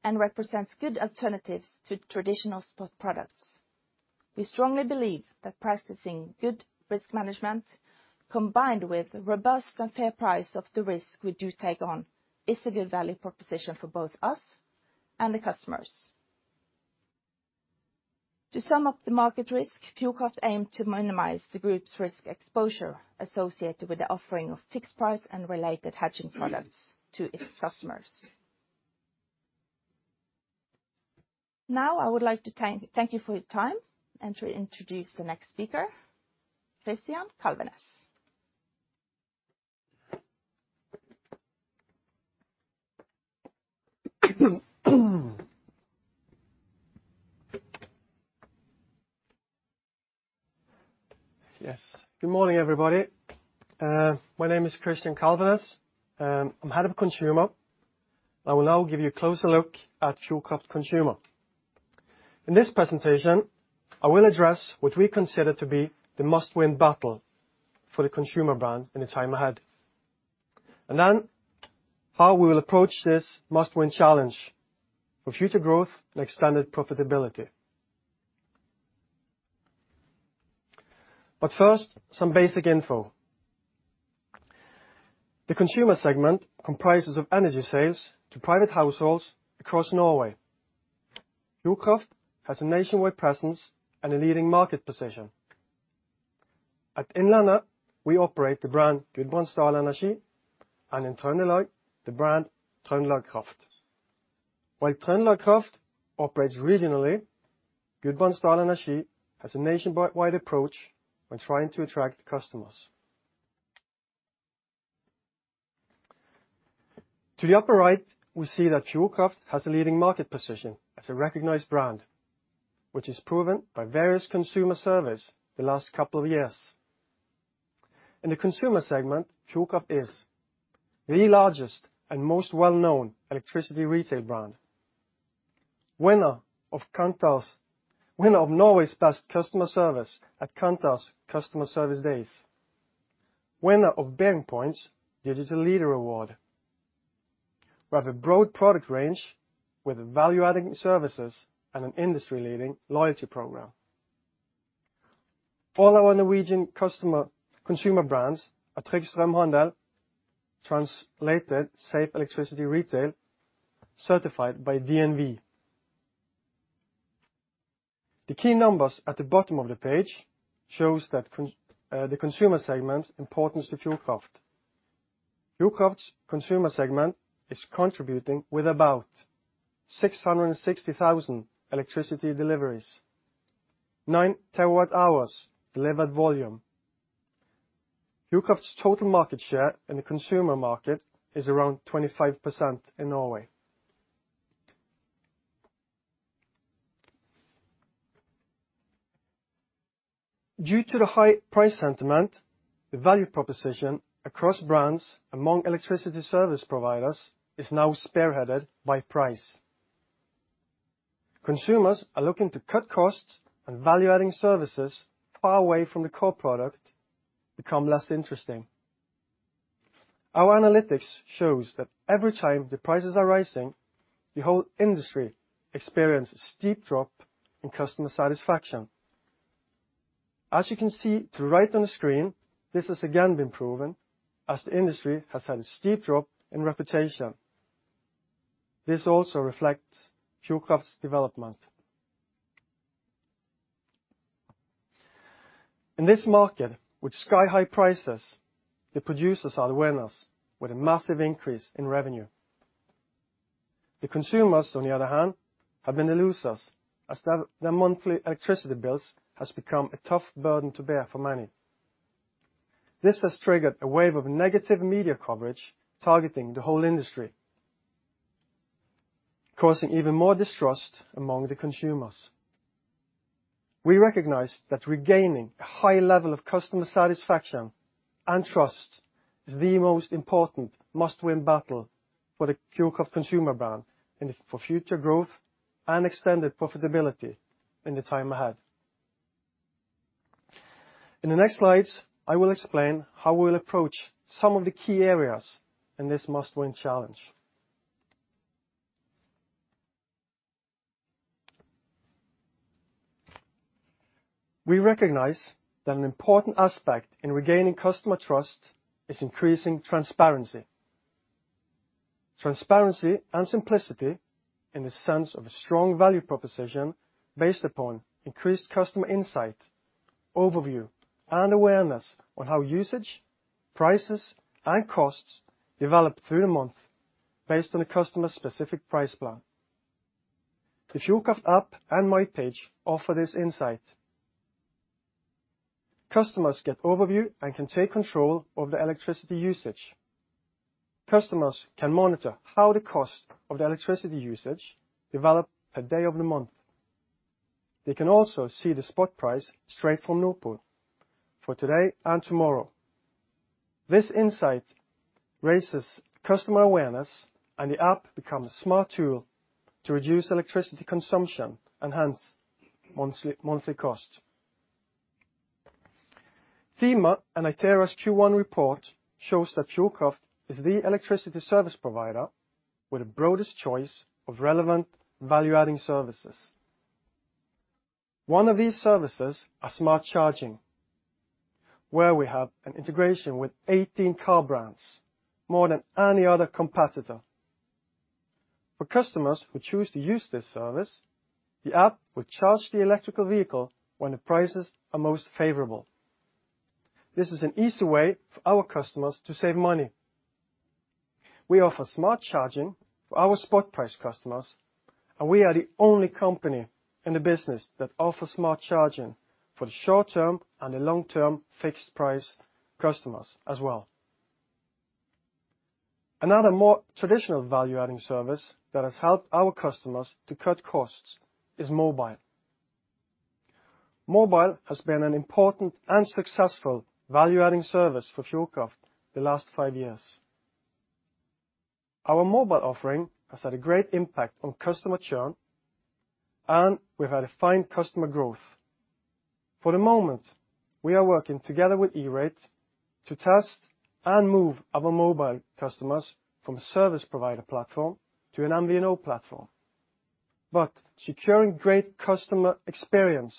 and represents good alternatives to traditional spot products. We strongly believe that practicing good risk management, combined with robust and fair price of the risk we do take on, is a good value proposition for both us and the customers. To sum up the market risk, Fjordkraft aim to minimize the group's risk exposure associated with the offering of fixed price and related hedging products to its customers. Now, I would like to thank you for your time and to introduce the next speaker, Christian Kalvenes. Yes. Good morning, everybody. My name is Christian Kalvenes. I'm Head of Consumer. I will now give you a closer look at Fjordkraft Consumer. In this presentation, I will address what we consider to be the must-win battle for the Consumer brand in the time ahead. Then how we will approach this must-win challenge for future growth and extended profitability. First, some basic info. The Consumer segment comprises of energy sales to private households across Norway. Fjordkraft has a nationwide presence and a leading market position. At Innlandet, we operate the brand Gudbrandsdal Energi, and in Trøndelag, the brand TrøndelagKraft. While TrøndelagKraft operates regionally, Gudbrandsdal Energi has a nationwide approach when trying to attract customers. To the upper right, we see that Fjordkraft has a leading market position as a recognized brand, which is proven by various consumer surveys the last couple of years. In the consumer segment, Fjordkraft is the largest and most well-known electricity retail brand. Winner of Norway's best customer service at Kantar's Customer Service Days. Winner of BearingPoint's Digital Leader Award. We have a broad product range with value-adding services and an industry-leading loyalty program. All our Norwegian consumer brands are Trygg Strømhandel, translated Safe Electricity Retail, certified by DNV. The key numbers at the bottom of the page shows that the consumer segment's importance to Fjordkraft. Fjordkraft's consumer segment is contributing with about 660,000 electricity deliveries, 9 terawatt-hours delivered volume. Fjordkraft's total market share in the consumer market is around 25% in Norway. Due to the high price sentiment, the value proposition across brands among electricity service providers is now spearheaded by price. Consumers are looking to cut costs, and value-adding services far away from the core product become less interesting. Our analytics shows that every time the prices are rising, the whole industry experiences steep drop in customer satisfaction. As you can see to the right on the screen, this has again been proven as the industry has had a steep drop in reputation. This also reflects Fjordkraft's development. In this market, with sky-high prices, the producers are the winners with a massive increase in revenue. The consumers, on the other hand, have been the losers, as the monthly electricity bills has become a tough burden to bear for many. This has triggered a wave of negative media coverage targeting the whole industry, causing even more distrust among the consumers. We recognize that regaining a high level of customer satisfaction and trust is the most important must-win battle for the Fjordkraft consumer brand and for future growth and extended profitability in the time ahead. In the next slides, I will explain how we'll approach some of the key areas in this must-win challenge. We recognize that an important aspect in regaining customer trust is increasing transparency. Transparency and simplicity in the sense of a strong value proposition based upon increased customer insight, overview, and awareness on how usage, prices, and costs develop through the month based on a customer's specific price plan. The Fjordkraft app and my page offer this insight. Customers get overview and can take control of their electricity usage. Customers can monitor how the cost of their electricity usage develop per day of the month. They can also see the spot price straight from Nord Pool for today and tomorrow. This insight raises customer awareness, and the app becomes a smart tool to reduce electricity consumption and hence monthly cost. FEMA and Iteris Q1 report shows that Fjordkraft is the electricity service provider with the broadest choice of relevant value-adding services. One of these services are smart charging, where we have an integration with 18 car brands, more than any other competitor. For customers who choose to use this service, the app will charge the electric vehicle when the prices are most favorable. This is an easy way for our customers to save money. We offer smart charging for our spot-price customers, and we are the only company in the business that offer smart charging for the short-term and the long-term fixed-price customers as well. Another more traditional value-adding service that has helped our customers to cut costs is mobile. Mobile has been an important and successful value-adding service for Fjordkraft the last five years. Our mobile offering has had a great impact on customer churn, and we've had a fine customer growth. For the moment, we are working together with eRate to test and move our mobile customers from a service provider platform to an MVNO platform. Securing great customer experience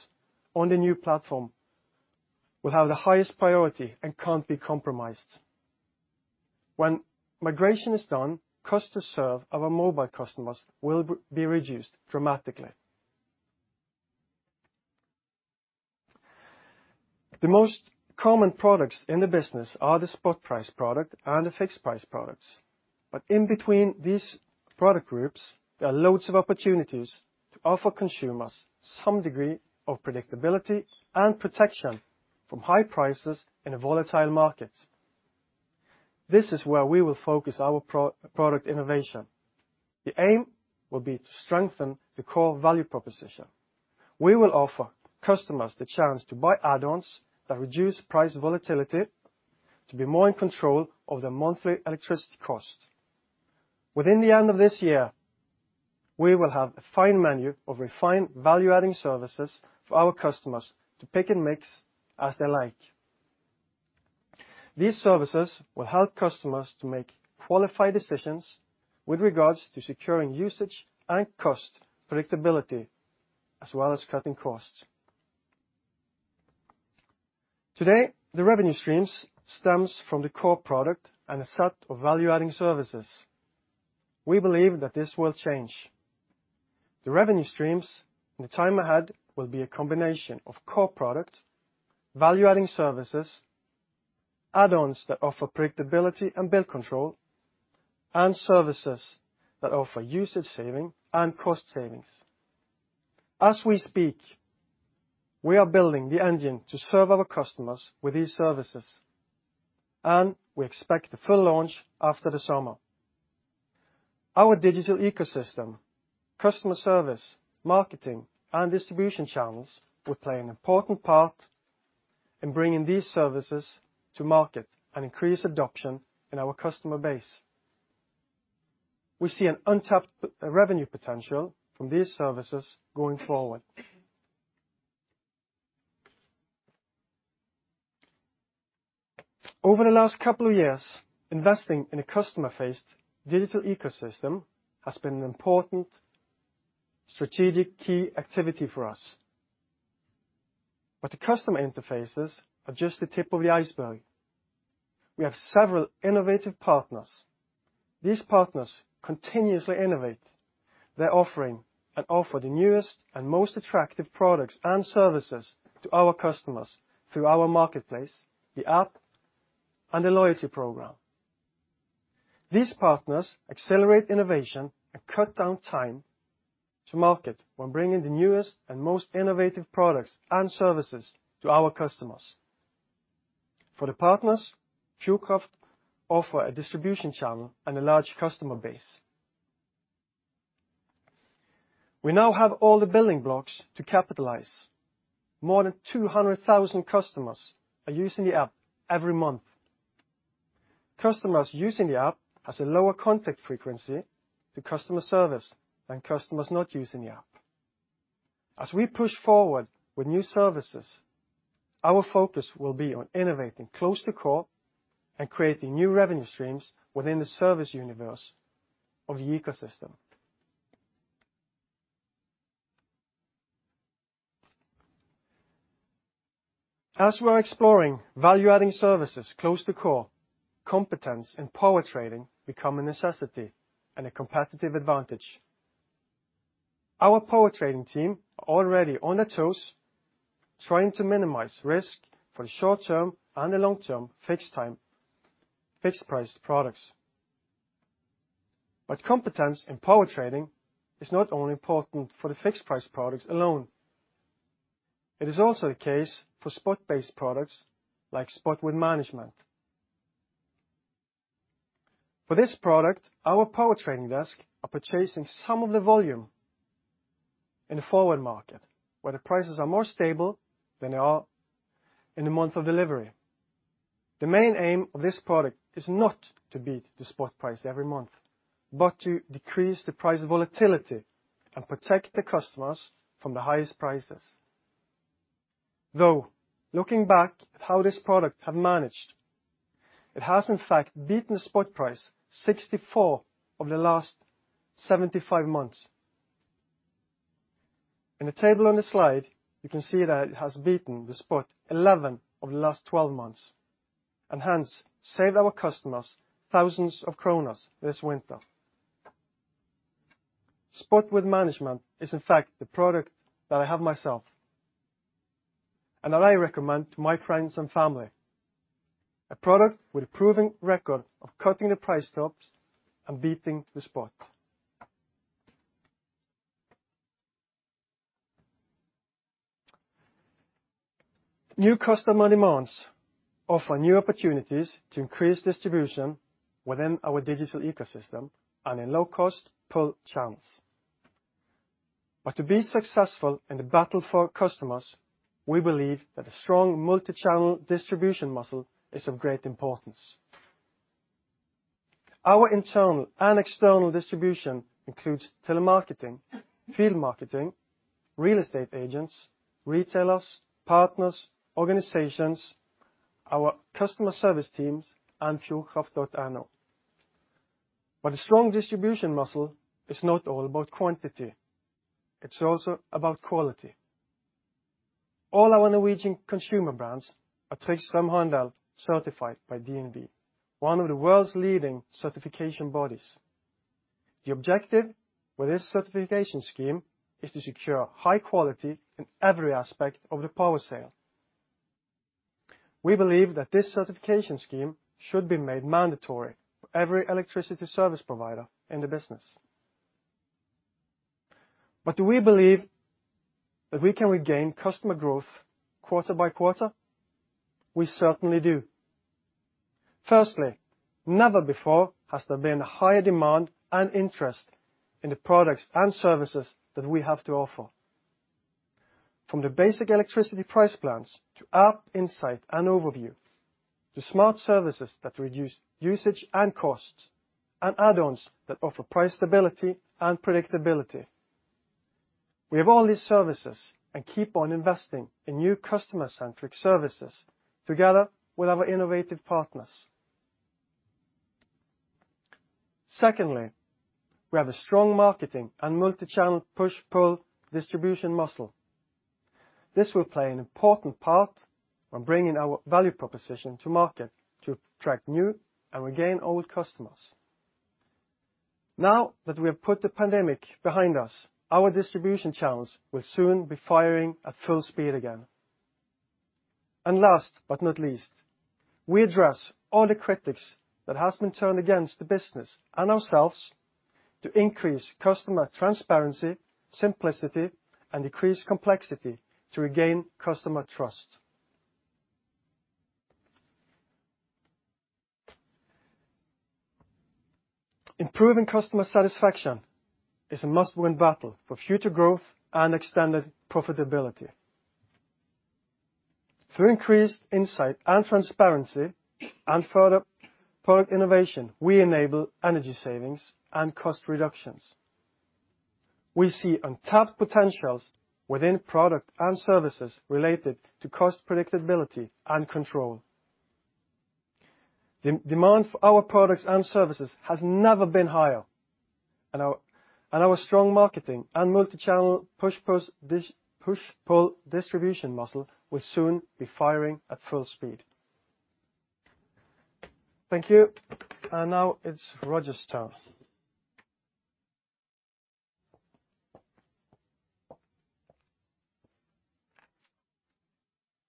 on the new platform will have the highest priority and can't be compromised. When migration is done, cost to serve our mobile customers will be reduced dramatically. The most common products in the business are the spot-price product and the fixed-price products. In between these product groups, there are loads of opportunities to offer consumers some degree of predictability and protection from high prices in a volatile market. This is where we will focus our product innovation. The aim will be to strengthen the core value proposition. We will offer customers the chance to buy add-ons that reduce price volatility to be more in control of their monthly electricity cost. By the end of this year, we will have a fine menu of refined value-adding services for our customers to pick and mix as they like. These services will help customers to make qualified decisions with regards to securing usage and cost predictability, as well as cutting costs. Today, the revenue streams stems from the core product and a set of value-adding services. We believe that this will change. The revenue streams in the time ahead will be a combination of core product, value-adding services, add-ons that offer predictability and bill control, and services that offer usage saving and cost savings. As we speak, we are building the engine to serve our customers with these services, and we expect the full launch after the summer. Our digital ecosystem, customer service, marketing, and distribution channels will play an important part in bringing these services to market and increase adoption in our customer base. We see an untapped revenue potential from these services going forward. Over the last couple of years, investing in a customer-faced digital ecosystem has been an important strategic key activity for us. The customer interfaces are just the tip of the iceberg. We have several innovative partners. These partners continuously innovate their offering and offer the newest and most attractive products and services to our customers through our marketplace, the app, and the loyalty program. These partners accelerate innovation and cut down time to market when bringing the newest and most innovative products and services to our customers. For the partners, Fjordkraft offer a distribution channel and a large customer base. We now have all the building blocks to capitalize. More than 200,000 customers are using the app every month. Customers using the app has a lower contact frequency to customer service than customers not using the app. As we push forward with new services, our focus will be on innovating close to core and creating new revenue streams within the service universe of the ecosystem. As we are exploring value-adding services close to core, competence and power trading become a necessity and a competitive advantage. Our power trading team are already on their toes trying to minimize risk for the short-term and the long-term fixed-term, fixed-priced products. Competence in power trading is not only important for the fixed price products alone. It is also the case for spot-based products like Spot with Management. For this product, our power trading desk are purchasing some of the volume in the forward market where the prices are more stable than they are in the month of delivery. The main aim of this product is not to beat the spot price every month, but to decrease the price volatility and protect the customers from the highest prices. Though, looking back at how this product have managed, it has in fact beaten the spot price 64 of the last 75 months. In the table on this slide, you can see that it has beaten Elspot 11 of the last 12 months, and hence, saved our customers thousands kroner this winter. Spot with Management is in fact the product that I have myself and I recommend to my friends and family. A product with a proven record of cutting the price drops and beating Elspot. New customer demands offer new opportunities to increase distribution within our digital ecosystem and in low cost pull channels. To be successful in the battle for customers, we believe that a strong multi-channel distribution muscle is of great importance. Our internal and external distribution includes telemarketing, field marketing, real estate agents, retailers, partners, organizations, our customer service teams, and fjordkraft.no. A strong distribution muscle is not all about quantity. It's also about quality. All our Norwegian consumer brands are Trygg Strømhandel certified by DNV, one of the world's leading certification bodies. The objective with this certification scheme is to secure high quality in every aspect of the power sale. We believe that this certification scheme should be made mandatory for every electricity service provider in the business. Do we believe that we can regain customer growth quarter by quarter? We certainly do. Firstly, never before has there been a higher demand and interest in the products and services that we have to offer. From the basic electricity price plans to app insight and overview, to smart services that reduce usage and costs, and add-ons that offer price stability and predictability. We have all these services and keep on investing in new customer-centric services together with our innovative partners. Secondly, we have a strong marketing and multi-channel push/pull distribution muscle. This will play an important part in bringing our value proposition to market to attract new and regain old customers. Now that we have put the pandemic behind us, our distribution channels will soon be firing at full speed again. Last but not least, we address all the critics that have been turned against the business and ourselves to increase customer transparency, simplicity, and decrease complexity to regain customer trust. Improving customer satisfaction is a must-win battle for future growth and extended profitability. Through increased insight and transparency and further product innovation, we enable energy savings and cost reductions. We see untapped potentials within products and services related to cost predictability and control. The demand for our products and services has never been higher, and our strong marketing and multi-channel push-pull distribution muscle will soon be firing at full speed. Thank you. Now it's Roger's turn.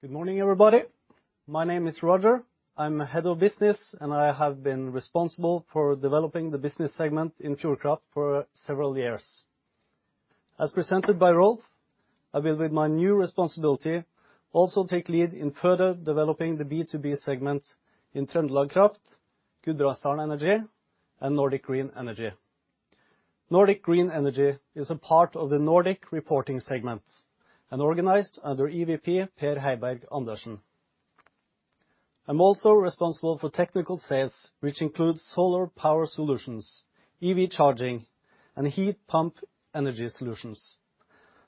Good morning, everybody. My name is Roger. I'm Head of Business, and I have been responsible for developing the business segment in Fjordkraft for several years. As presented by Rolf, I will, with my new responsibility, also take lead in further developing the B2B segment in TrøndelagKraft, Gudbrandsdal Energi, and Nordic Green Energy. Nordic Green Energy is a part of the Nordic reporting segment and organized under EVP Per Heiberg-Andersen. I'm also responsible for technical sales, which includes solar power solutions, EV charging, and heat pump energy solutions.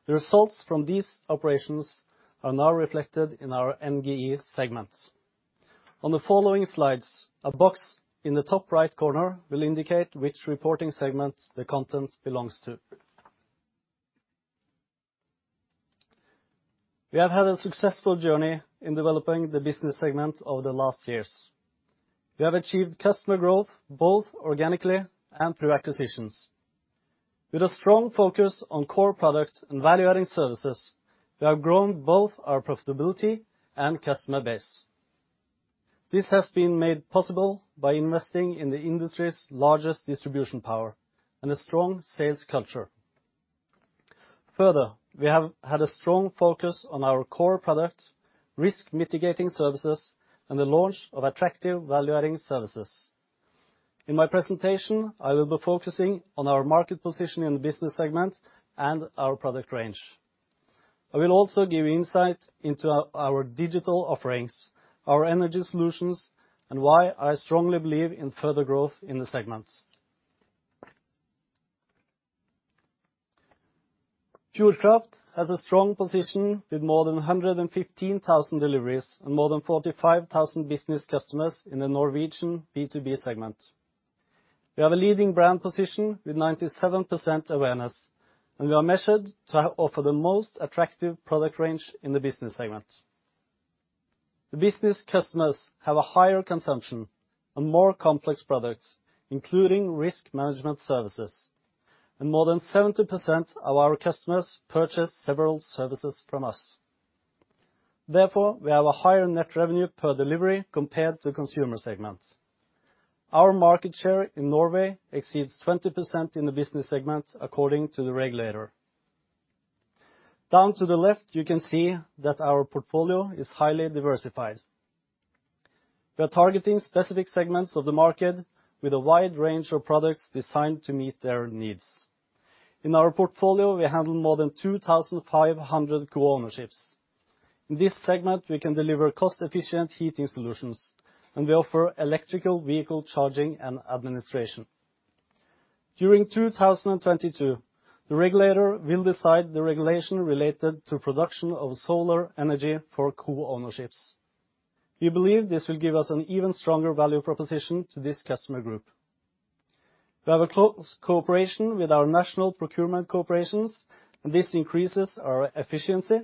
The results from these operations are now reflected in our NGE segments. On the following slides, a box in the top right corner will indicate which reporting segment the content belongs to. We have had a successful journey in developing the business segment over the last years. We have achieved customer growth, both organically and through acquisitions. With a strong focus on core products and value-adding services, we have grown both our profitability and customer base. This has been made possible by investing in the industry's largest distribution power and a strong sales culture. Further, we have had a strong focus on our core product, risk mitigating services, and the launch of attractive value-adding services. In my presentation, I will be focusing on our market position in the business segment and our product range. I will also give insight into our digital offerings, our energy solutions, and why I strongly believe in further growth in the segment. Fjordkraft has a strong position with more than 115,000 deliveries and more than 45,000 business customers in the Norwegian B2B segment. We have a leading brand position with 97% awareness, and we are measured to offer the most attractive product range in the Business segment. The Business customers have a higher consumption on more complex products, including risk management services, and more than 70% of our customers purchase several services from us. Therefore, we have a higher net revenue per delivery compared to Consumer segments. Our market share in Norway exceeds 20% in the Business segment, according to the regulator. Down to the left, you can see that our portfolio is highly diversified. We are targeting specific segments of the market with a wide range of products designed to meet their needs. In our portfolio, we handle more than 2,500 customers. In this segment, we can deliver cost-efficient heating solutions, and we offer electric vehicle charging and administration. During 2022, the regulator will decide the regulation related to production of solar energy for co-ownerships. We believe this will give us an even stronger value proposition to this customer group. We have a close cooperation with our national procurement corporations, and this increases our efficiency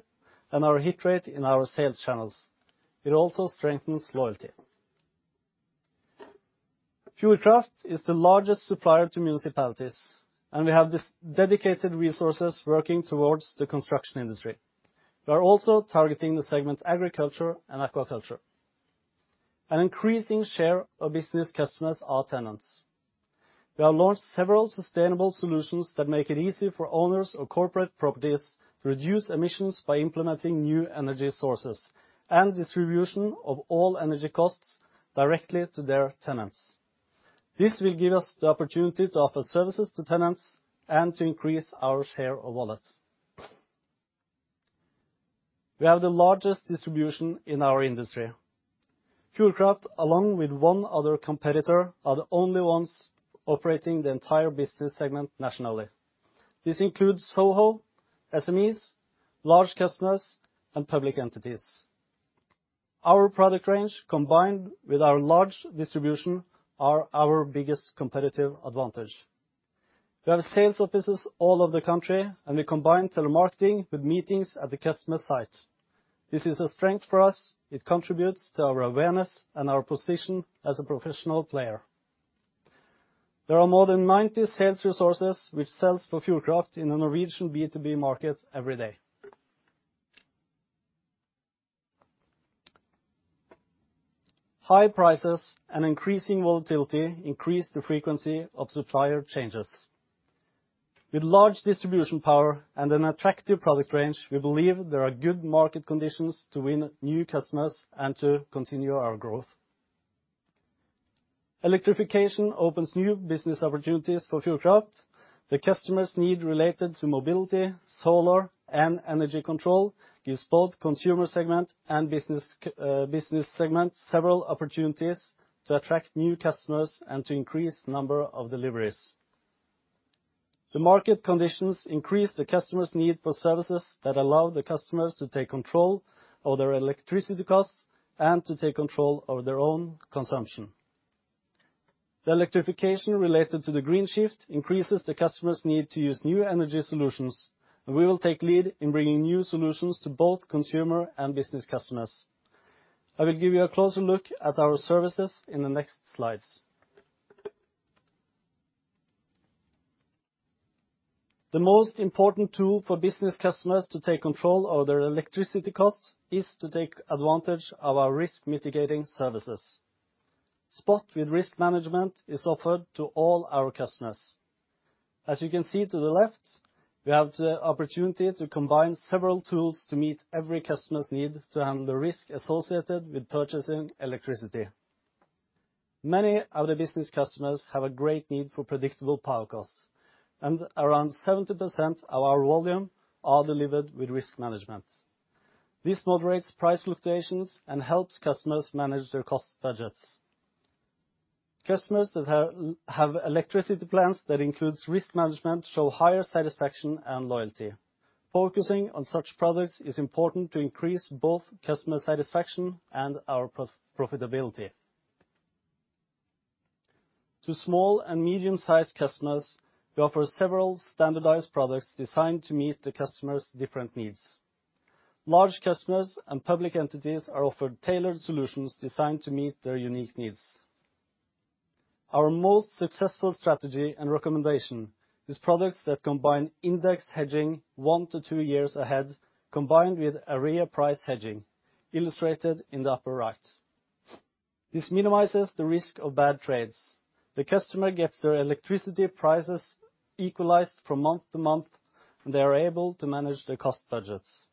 and our hit rate in our sales channels. It also strengthens loyalty. Fjordkraft is the largest supplier to municipalities, and we have dedicated resources working towards the construction industry. We are also targeting the segment agriculture and aquaculture. An increasing share of business customers are tenants. We have launched several sustainable solutions that make it easy for owners of corporate properties to reduce emissions by implementing new energy sources and distribution of all energy costs directly to their tenants. This will give us the opportunity to offer services to tenants and to increase our share of wallet. We have the largest distribution in our industry. Fjordkraft, along with one other competitor, are the only ones operating the entire business segment nationally. This includes SOHO, SMEs, large customers, and public entities. Our product range, combined with our large distribution, are our biggest competitive advantage. We have sales offices all over the country, and we combine telemarketing with meetings at the customer site. This is a strength for us. It contributes to our awareness and our position as a professional player. There are more than 90 sales resources which sells for Fjordkraft in the Norwegian B2B market every day. High prices and increasing volatility increase the frequency of supplier changes. With large distribution power and an attractive product range, we believe there are good market conditions to win new customers and to continue our growth. Electrification opens new business opportunities for Fjordkraft. The customers' need related to mobility, solar, and energy control gives both Consumer segment and Business segment several opportunities to attract new customers and to increase number of deliveries. The market conditions increase the customer's need for services that allow the customers to take control of their electricity costs and to take control of their own consumption. The electrification related to the green shift increases the customer's need to use new energy solutions, and we will take lead in bringing new solutions to both consumer and business customers. I will give you a closer look at our services in the next slides. The most important tool for business customers to take control of their electricity costs is to take advantage of our risk mitigating services. Spot with risk management is offered to all our customers. As you can see to the left, we have the opportunity to combine several tools to meet every customer's need to handle the risk associated with purchasing electricity. Many of the business customers have a great need for predictable power costs, and around 70% of our volume are delivered with risk management. This moderates price fluctuations and helps customers manage their cost budgets. Customers that have electricity plans that includes risk management show higher satisfaction and loyalty. Focusing on such products is important to increase both customer satisfaction and our profitability. To small and medium-sized customers, we offer several standardized products designed to meet the customers' different needs. Large customers and public entities are offered tailored solutions designed to meet their unique needs. Our most successful strategy and recommendation is products that combine index hedging 1-2 years ahead, combined with area price hedging, illustrated in the upper right. This minimizes the risk of bad trades. The customer gets their electricity prices equalized from month to month, and they are able to manage their cost budgets.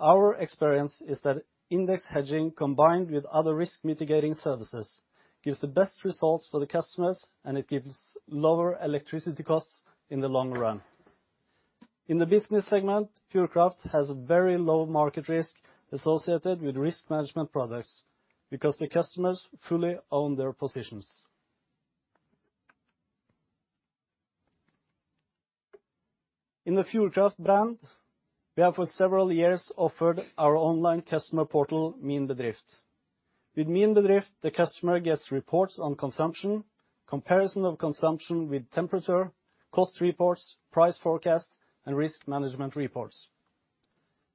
Our experience is that index hedging combined with other risk mitigating services gives the best results for the customers, and it gives lower electricity costs in the long run. In the business segment, Fjordkraft has very low market risk associated with risk management products, because the customers fully own their positions. In the Fjordkraft brand, we have for several years offered our online customer portal, Min Bedrift. With Min Bedrift, the customer gets reports on consumption, comparison of consumption with temperature, cost reports, price forecasts, and risk management reports.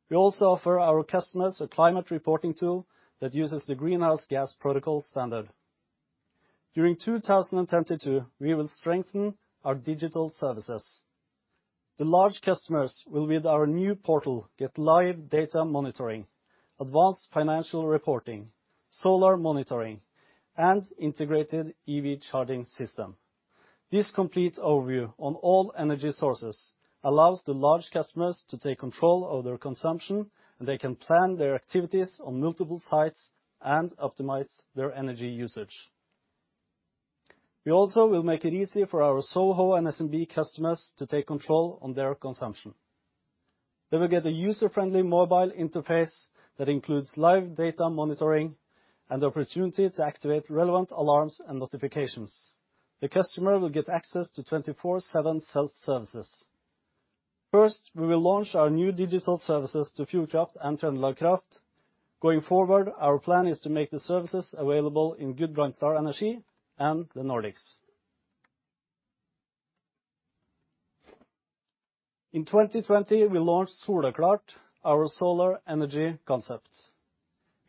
We also offer our customers a climate reporting tool that uses the Greenhouse Gas Protocol standard. During 2022, we will strengthen our digital services. The large customers will with our new portal get live data monitoring, advanced financial reporting, solar monitoring, and integrated EV charging system. This complete overview on all energy sources allows the large customers to take control of their consumption, and they can plan their activities on multiple sites and optimize their energy usage. We also will make it easier for our SOHO and SMB customers to take control of their consumption. They will get a user-friendly mobile interface that includes live data monitoring and the opportunity to activate relevant alarms and notifications. The customer will get access to 24/7 self-services. First, we will launch our new digital services to Fjordkraft and TrøndelagKraft. Going forward, our plan is to make the services available in Gudbrandsdal Energi and the Nordics. In 2020, we launched Solklart, our solar energy concept.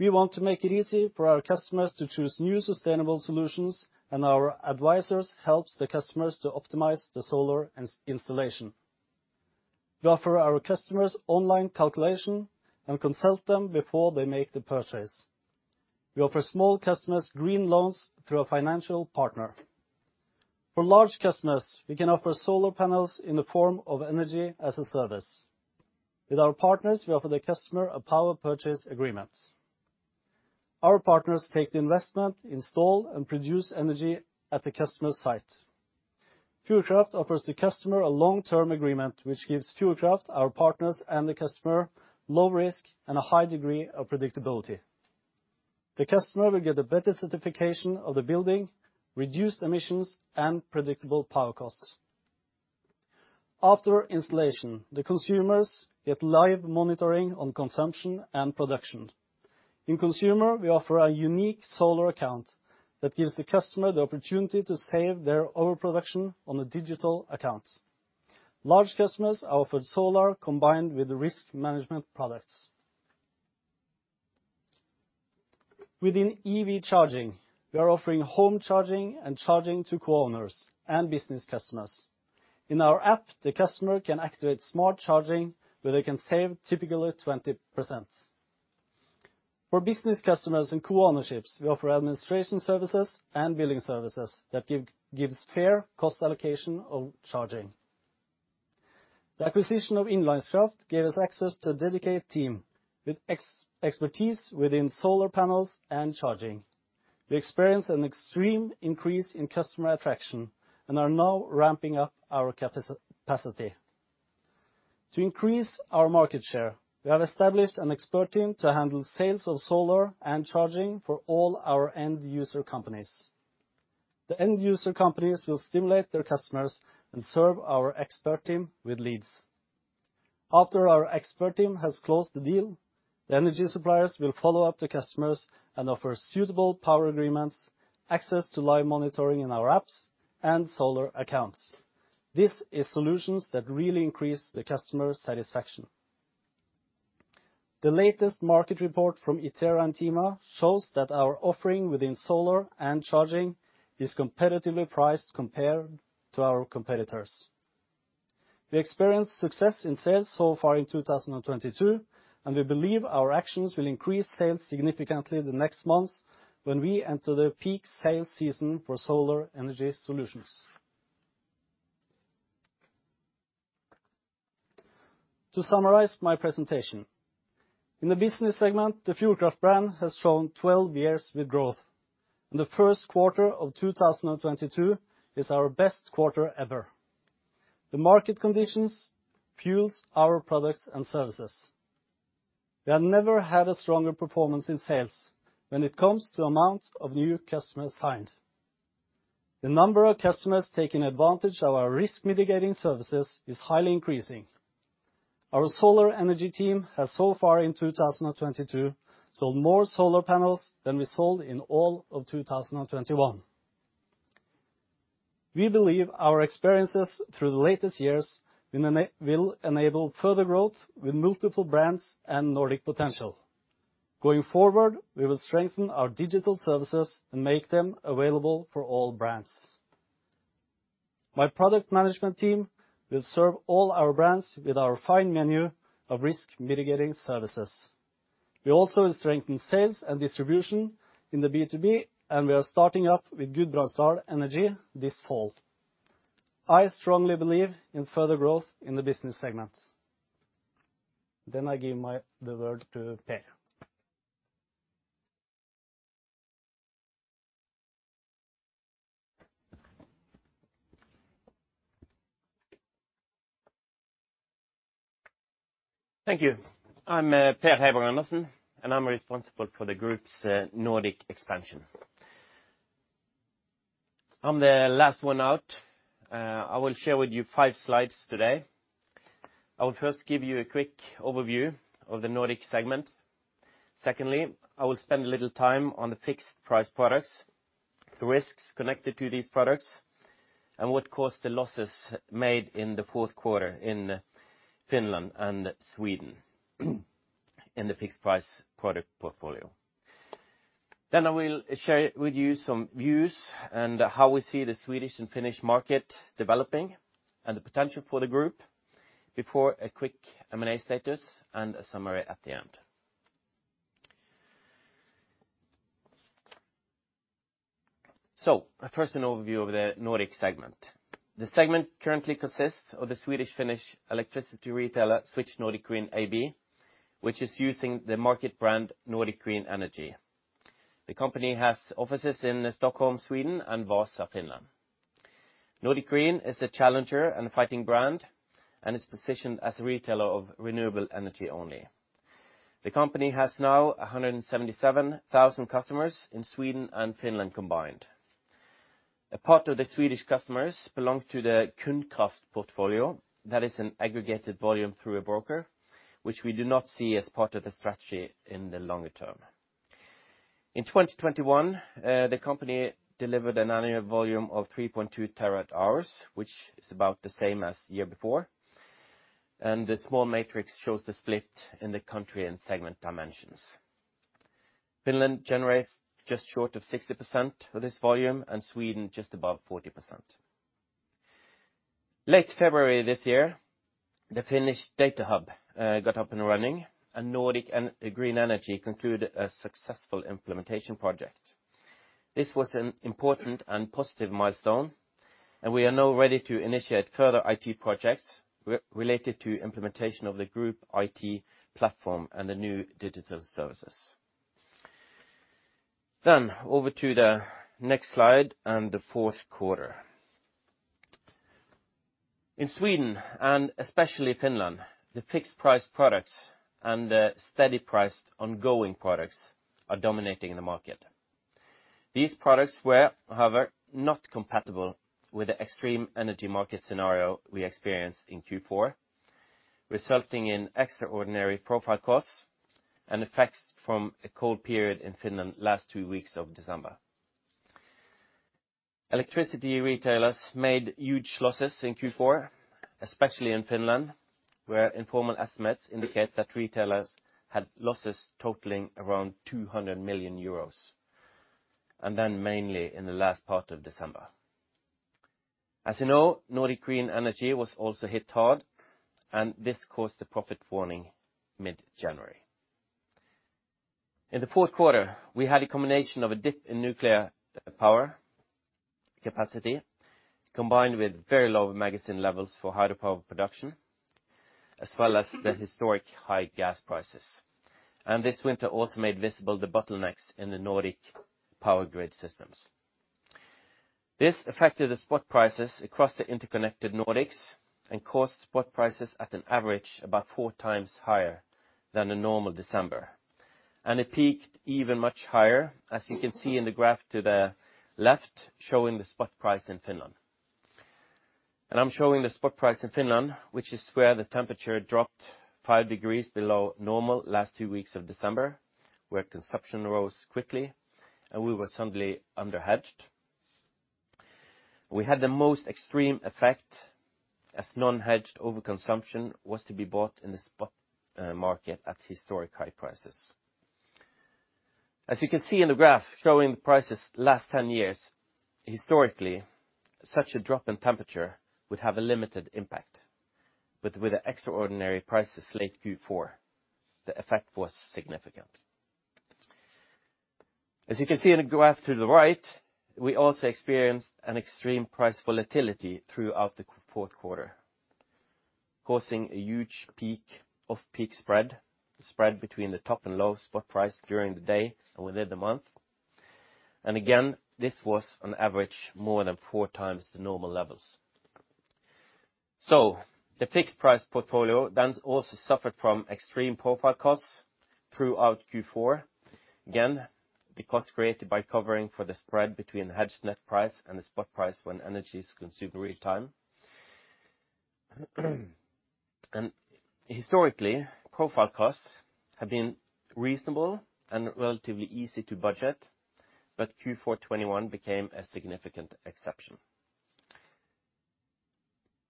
We want to make it easy for our customers to choose new sustainable solutions, and our advisors help the customers to optimize the solar installation. We offer our customers online calculation and consult them before they make the purchase. We offer small customers green loans through a financial partner. For large customers, we can offer solar panels in the form of energy as a service. With our partners, we offer the customer a power purchase agreement. Our partners take the investment, install, and produce energy at the customer site. Fjordkraft offers the customer a long-term agreement, which gives Fjordkraft, our partners, and the customer low risk and a high degree of predictability. The customer will get a better certification of the building, reduced emissions, and predictable power costs. After installation, the consumers get live monitoring on consumption and production. In Consumer, we offer a unique solar account that gives the customer the opportunity to save their overproduction on a digital account. Large customers are offered solar combined with the risk management products. Within EV charging, we are offering home charging and charging to co-owners and business customers. In our app, the customer can activate smart charging, where they can save typically 20%. For business customers and co-ownships, we offer administration services and billing services that gives fair cost allocation of charging. The acquisition of Innlandskraft gave us access to a dedicated team with expertise within solar panels and charging. We experienced an extreme increase in customer attraction and are now ramping up our capacity. To increase our market share, we have established an expert team to handle sales of solar and charging for all our end user companies. The end user companies will stimulate their customers and serve our expert team with leads. After our expert team has closed the deal, the energy suppliers will follow up the customers and offer suitable power agreements, access to live monitoring in our apps, and solar accounts. This is solutions that really increase the customer satisfaction. The latest market report from Iterantima shows that our offering within solar and charging is competitively priced compared to our competitors. We experienced success in sales so far in 2022, and we believe our actions will increase sales significantly the next months when we enter the peak sales season for solar energy solutions. To summarize my presentation, in the business segment, the Fjordkraft brand has shown 12 years with growth. In the Q1 of 2022 is our best quarter ever. The market conditions fuels our products and services. We have never had a stronger performance in sales when it comes to amount of new customers signed. The number of customers taking advantage of our risk mitigating services is highly increasing. Our solar energy team has so far in 2022 sold more solar panels than we sold in all of 2021. We believe our experiences through the latest years will enable further growth with multiple brands and Nordic potential. Going forward, we will strengthen our digital services and make them available for all brands. My product management team will serve all our brands with our fine menu of risk mitigating services. We also strengthen sales and distribution in the B2B, and we are starting up with Gudbrandsdal Energi this fall. I strongly believe in further growth in the business segment. I give the word to Per. Thank you. I'm Per Heiberg-Andersen, and I'm responsible for the group's Nordic expansion. I'm the last one out. I will share with you five slides today. I will first give you a quick overview of the Nordic segment. Secondly, I will spend a little time on the fixed-price products, the risks connected to these products, and what caused the losses made in the Q4 in Finland and Sweden in the fixed-price product portfolio. I will share with you some views and how we see the Swedish and Finnish market developing and the potential for the group before a quick M&A status and a summary at the end. First, an overview of the Nordic segment. The segment currently consists of the Swedish-Finnish electricity retailer Switch Nordic Green AB, which is using the market brand Nordic Green Energy. The company has offices in Stockholm, Sweden and Vaasa, Finland. Nordic Green is a challenger and fighting brand and is positioned as a retailer of renewable energy only. The company has now 177,000 customers in Sweden and Finland combined. A part of the Swedish customers belong to the Kundkraft portfolio. That is an aggregated volume through a broker which we do not see as part of the strategy in the longer term. In 2021, the company delivered an annual volume of 3.2 TWh, which is about the same as the year before. The small matrix shows the split in the country and segment dimensions. Finland generates just short of 60% of this volume, and Sweden just above 40%. Late February this year, the Finnish Datahub got up and running, and Nordic Green Energy concluded a successful implementation project. This was an important and positive milestone, and we are now ready to initiate further IT projects related to implementation of the group IT platform and the new digital services. Over to the next slide and the Q4. In Sweden and especially Finland, the fixed-price products and steady-priced ongoing products are dominating the market. These products were, however, not compatible with the extreme energy market scenario we experienced in Q4, resulting in extraordinary profile costs and effects from a cold period in Finland last two weeks of December. Electricity retailers made huge losses in Q4, especially in Finland, where informal estimates indicate that retailers had losses totaling around 200 million euros, and then mainly in the last part of December. As you know, Nordic Green Energy was also hit hard, and this caused the profit warning mid-January. In the Q4, we had a combination of a dip in nuclear power capacity, combined with very low magazine levels for hydropower production, as well as the historic high gas prices. This winter also made visible the bottlenecks in the Nordic power grid systems. This affected the spot prices across the interconnected Nordics and caused spot prices at an average about 4 times higher than a normal December. It peaked even much higher, as you can see in the graph to the left showing the spot price in Finland. I'm showing the spot price in Finland, which is where the temperature dropped 5 degrees below normal last 2 weeks of December, where consumption rose quickly and we were suddenly under-hedged. We had the most extreme effect as non-hedged overconsumption was to be bought in the spot market at historic high prices. As you can see in the graph showing the prices last 10 years, historically such a drop in temperature would have a limited impact. With the extraordinary prices late Q4, the effect was significant. As you can see in the graph to the right, we also experienced an extreme price volatility throughout the Q4, causing a huge peak spread, the spread between the top and low spot price during the day and within the month. Again, this was on average more than four times the normal levels. The fixed price portfolio then also suffered from extreme profile costs throughout Q4. Again, the cost created by covering for the spread between hedged net price and the spot price when energy is consumed in real-time. Historically, profile costs have been reasonable and relatively easy to budget. Q4 2021 became a significant exception.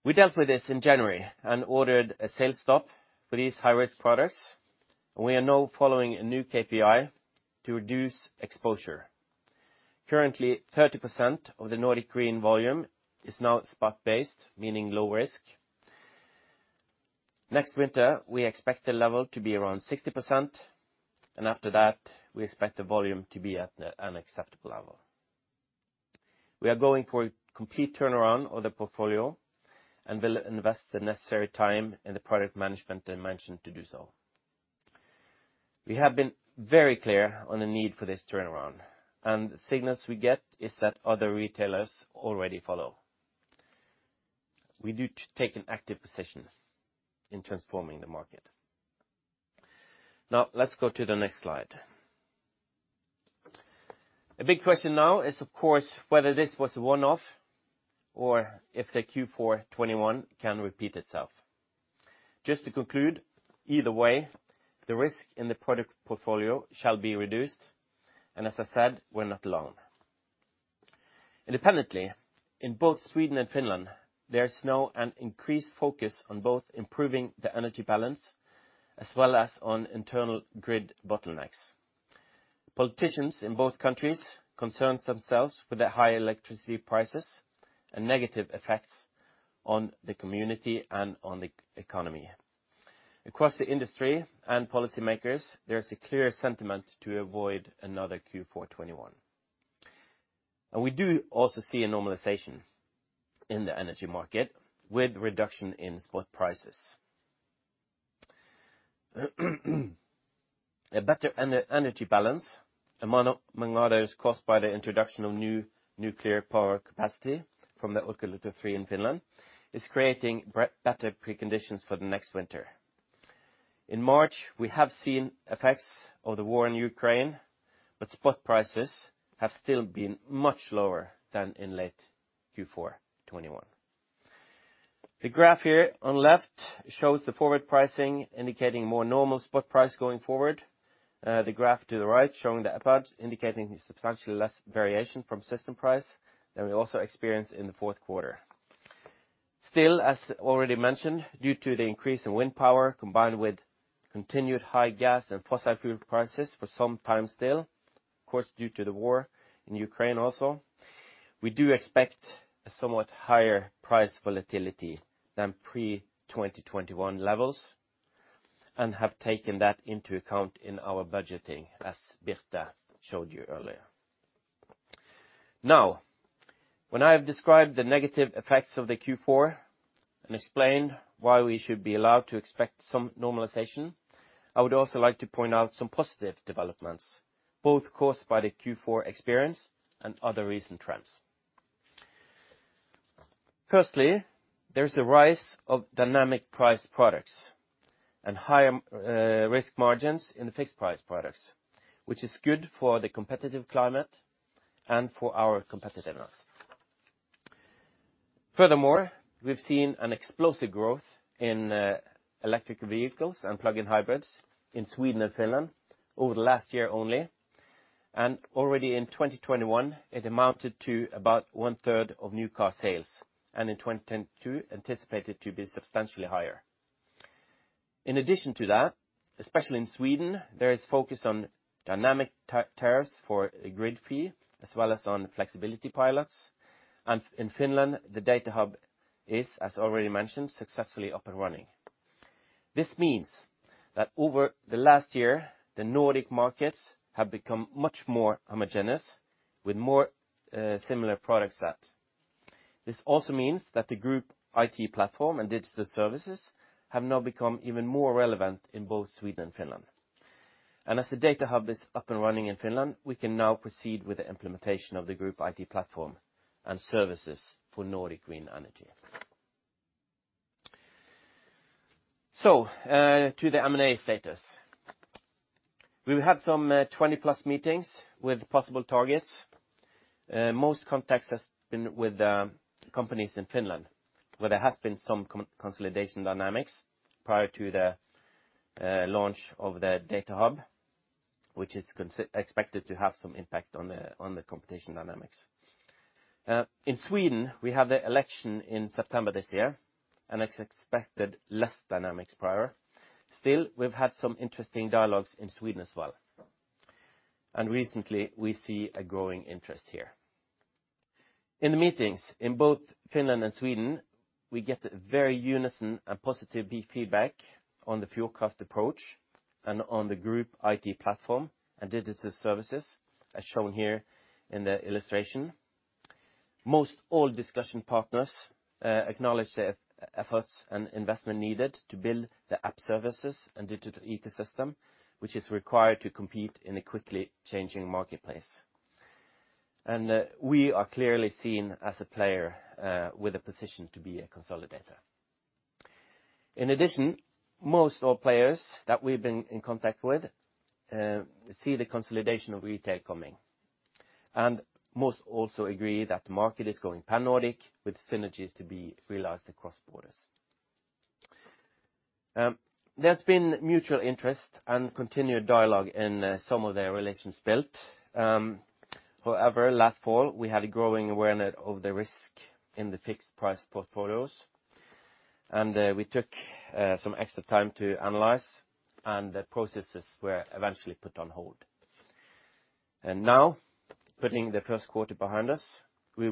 We dealt with this in January and ordered a sales stop for these high-risk products, and we are now following a new KPI to reduce exposure. Currently, 30% of the Nordic green volume is now spot-based, meaning low risk. Next winter, we expect the level to be around 60%, and after that, we expect the volume to be at an acceptable level. We are going for a complete turnaround of the portfolio, and will invest the necessary time in the product management dimension to do so. We have been very clear on the need for this turnaround, and the signals we get is that other retailers already follow. We do take an active position in transforming the market. Now let's go to the next slide. A big question now is, of course, whether this was a one-off or if the Q4 2021 can repeat itself. Just to conclude, either way, the risk in the product portfolio shall be reduced, and as I said, we're not alone. Independently, in both Sweden and Finland, there is now an increased focus on both improving the energy balance as well as on internal grid bottlenecks. Politicians in both countries concerns themselves with the high electricity prices and negative effects on the community and on the economy. Across the industry and policymakers, there is a clear sentiment to avoid another Q4 2021. We do also see a normalization in the energy market with reduction in spot prices. A better energy balance, among others, caused by the introduction of new nuclear power capacity from the Olkiluoto 3 in Finland, is creating better preconditions for the next winter. In March, we have seen effects of the war in Ukraine, but spot prices have still been much lower than in late Q4 2021. The graph here on left shows the forward pricing indicating more normal spot price going forward. The graph to the right showing the EPAD, indicating substantially less variation from system price than we also experienced in the Q4. Still, as already mentioned, due to the increase in wind power, combined with continued high gas and fossil fuel prices for some time still, of course, due to the war in Ukraine also, we do expect a somewhat higher price volatility than pre-2021 levels and have taken that into account in our budgeting, as Birte showed you earlier. Now, when I have described the negative effects of the Q4 and explained why we should be allowed to expect some normalization, I would also like to point out some positive developments, both caused by the Q4 experience and other recent trends. Firstly, there is a rise of dynamic price products and higher risk margins in the fixed price products, which is good for the competitive climate and for our competitiveness. Furthermore, we've seen an explosive growth in electric vehicles and plug-in hybrids in Sweden and Finland over the last year only. Already in 2021, it amounted to about 1/3 of new car sales, and in 2022 anticipated to be substantially higher. In addition to that, especially in Sweden, there is focus on dynamic tariffs for a grid fee as well as on flexibility pilots. In Finland, the Datahub is, as already mentioned, successfully up and running. This means that over the last year, the Nordic markets have become much more homogeneous with more similar product set. This also means that the group IT platform and digital services have now become even more relevant in both Sweden and Finland. As the Datahub is up and running in Finland, we can now proceed with the implementation of the group IT platform and services for Nordic Green Energy. To the M&A status. We've had some 20-plus meetings with possible targets. Most contacts has been with companies in Finland, where there has been some consolidation dynamics prior to the launch of the Datahub, which is expected to have some impact on the competition dynamics. In Sweden, we have the election in September this year, and it's expected less dynamics prior. Still, we've had some interesting dialogues in Sweden as well, and recently we see a growing interest here. In the meetings in both Finland and Sweden, we get a very unanimous and positive feedback on the full cost approach and on the group IT platform and digital services, as shown here in the illustration. Most all discussion partners acknowledge the efforts and investment needed to build the app services and digital ecosystem, which is required to compete in a quickly changing marketplace. We are clearly seen as a player with a position to be a consolidator. In addition, most all players that we've been in contact with see the consolidation of retail coming. Most also agree that the market is going pan-Nordic with synergies to be realized across borders. There's been mutual interest and continued dialogue in some of the relations built. However, last fall we had a growing awareness of the risk in the fixed price portfolios, and we took some extra time to analyze, and the processes were eventually put on hold. Now putting the Q1 behind us, it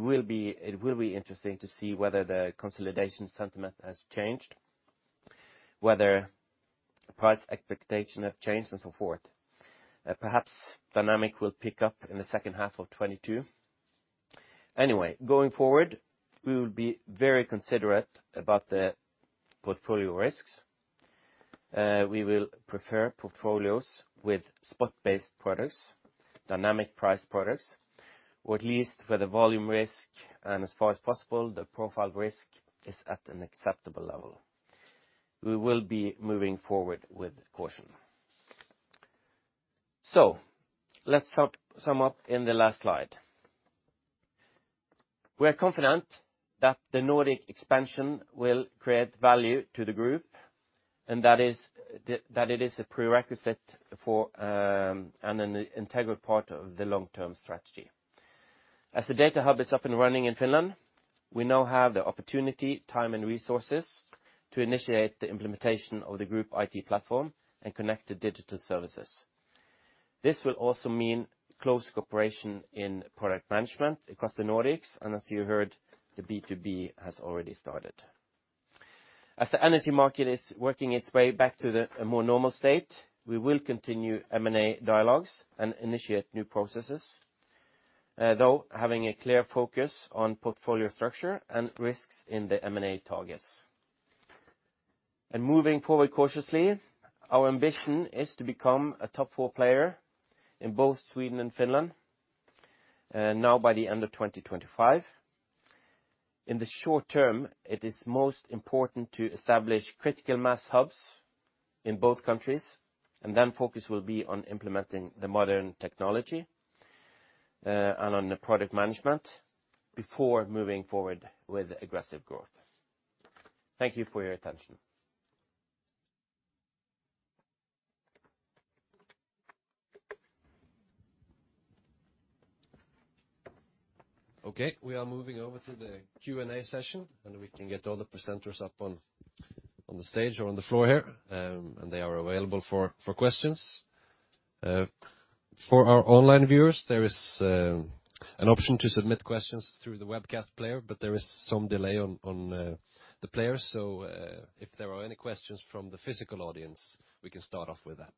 will be interesting to see whether the consolidation sentiment has changed, whether price expectations have changed and so forth. Perhaps dynamics will pick up in the second half of 2022. Anyway, going forward, we will be very considerate about the portfolio risks. We will prefer portfolios with spot-based products, dynamic price products, or at least where the volume risk and as far as possible the profile risk is at an acceptable level. We will be moving forward with caution. Let's sum up in the last slide. We are confident that the Nordic expansion will create value to the group, and that it is a prerequisite for an integral part of the long-term strategy. As the data hub is up and running in Finland, we now have the opportunity, time, and resources to initiate the implementation of the group IT platform and connect the digital services. This will also mean close cooperation in product management across the Nordics, and as you heard, the B2B has already started. As the energy market is working its way back to a more normal state, we will continue M&A dialogues and initiate new processes, though having a clear focus on portfolio structure and risks in the M&A targets. Moving forward cautiously, our ambition is to become a top four player in both Sweden and Finland, now by the end of 2025. In the short term, it is most important to establish critical mass hubs in both countries, and then focus will be on implementing the modern technology, and on the product management before moving forward with aggressive growth. Thank you for your attention. Okay, we are moving over to the Q&A session, and we can get all the presenters up on the stage or on the floor here, and they are available for questions. For our online viewers, there is an option to submit questions through the webcast player, but there is some delay on the player. If there are any questions from the physical audience, we can start off with that.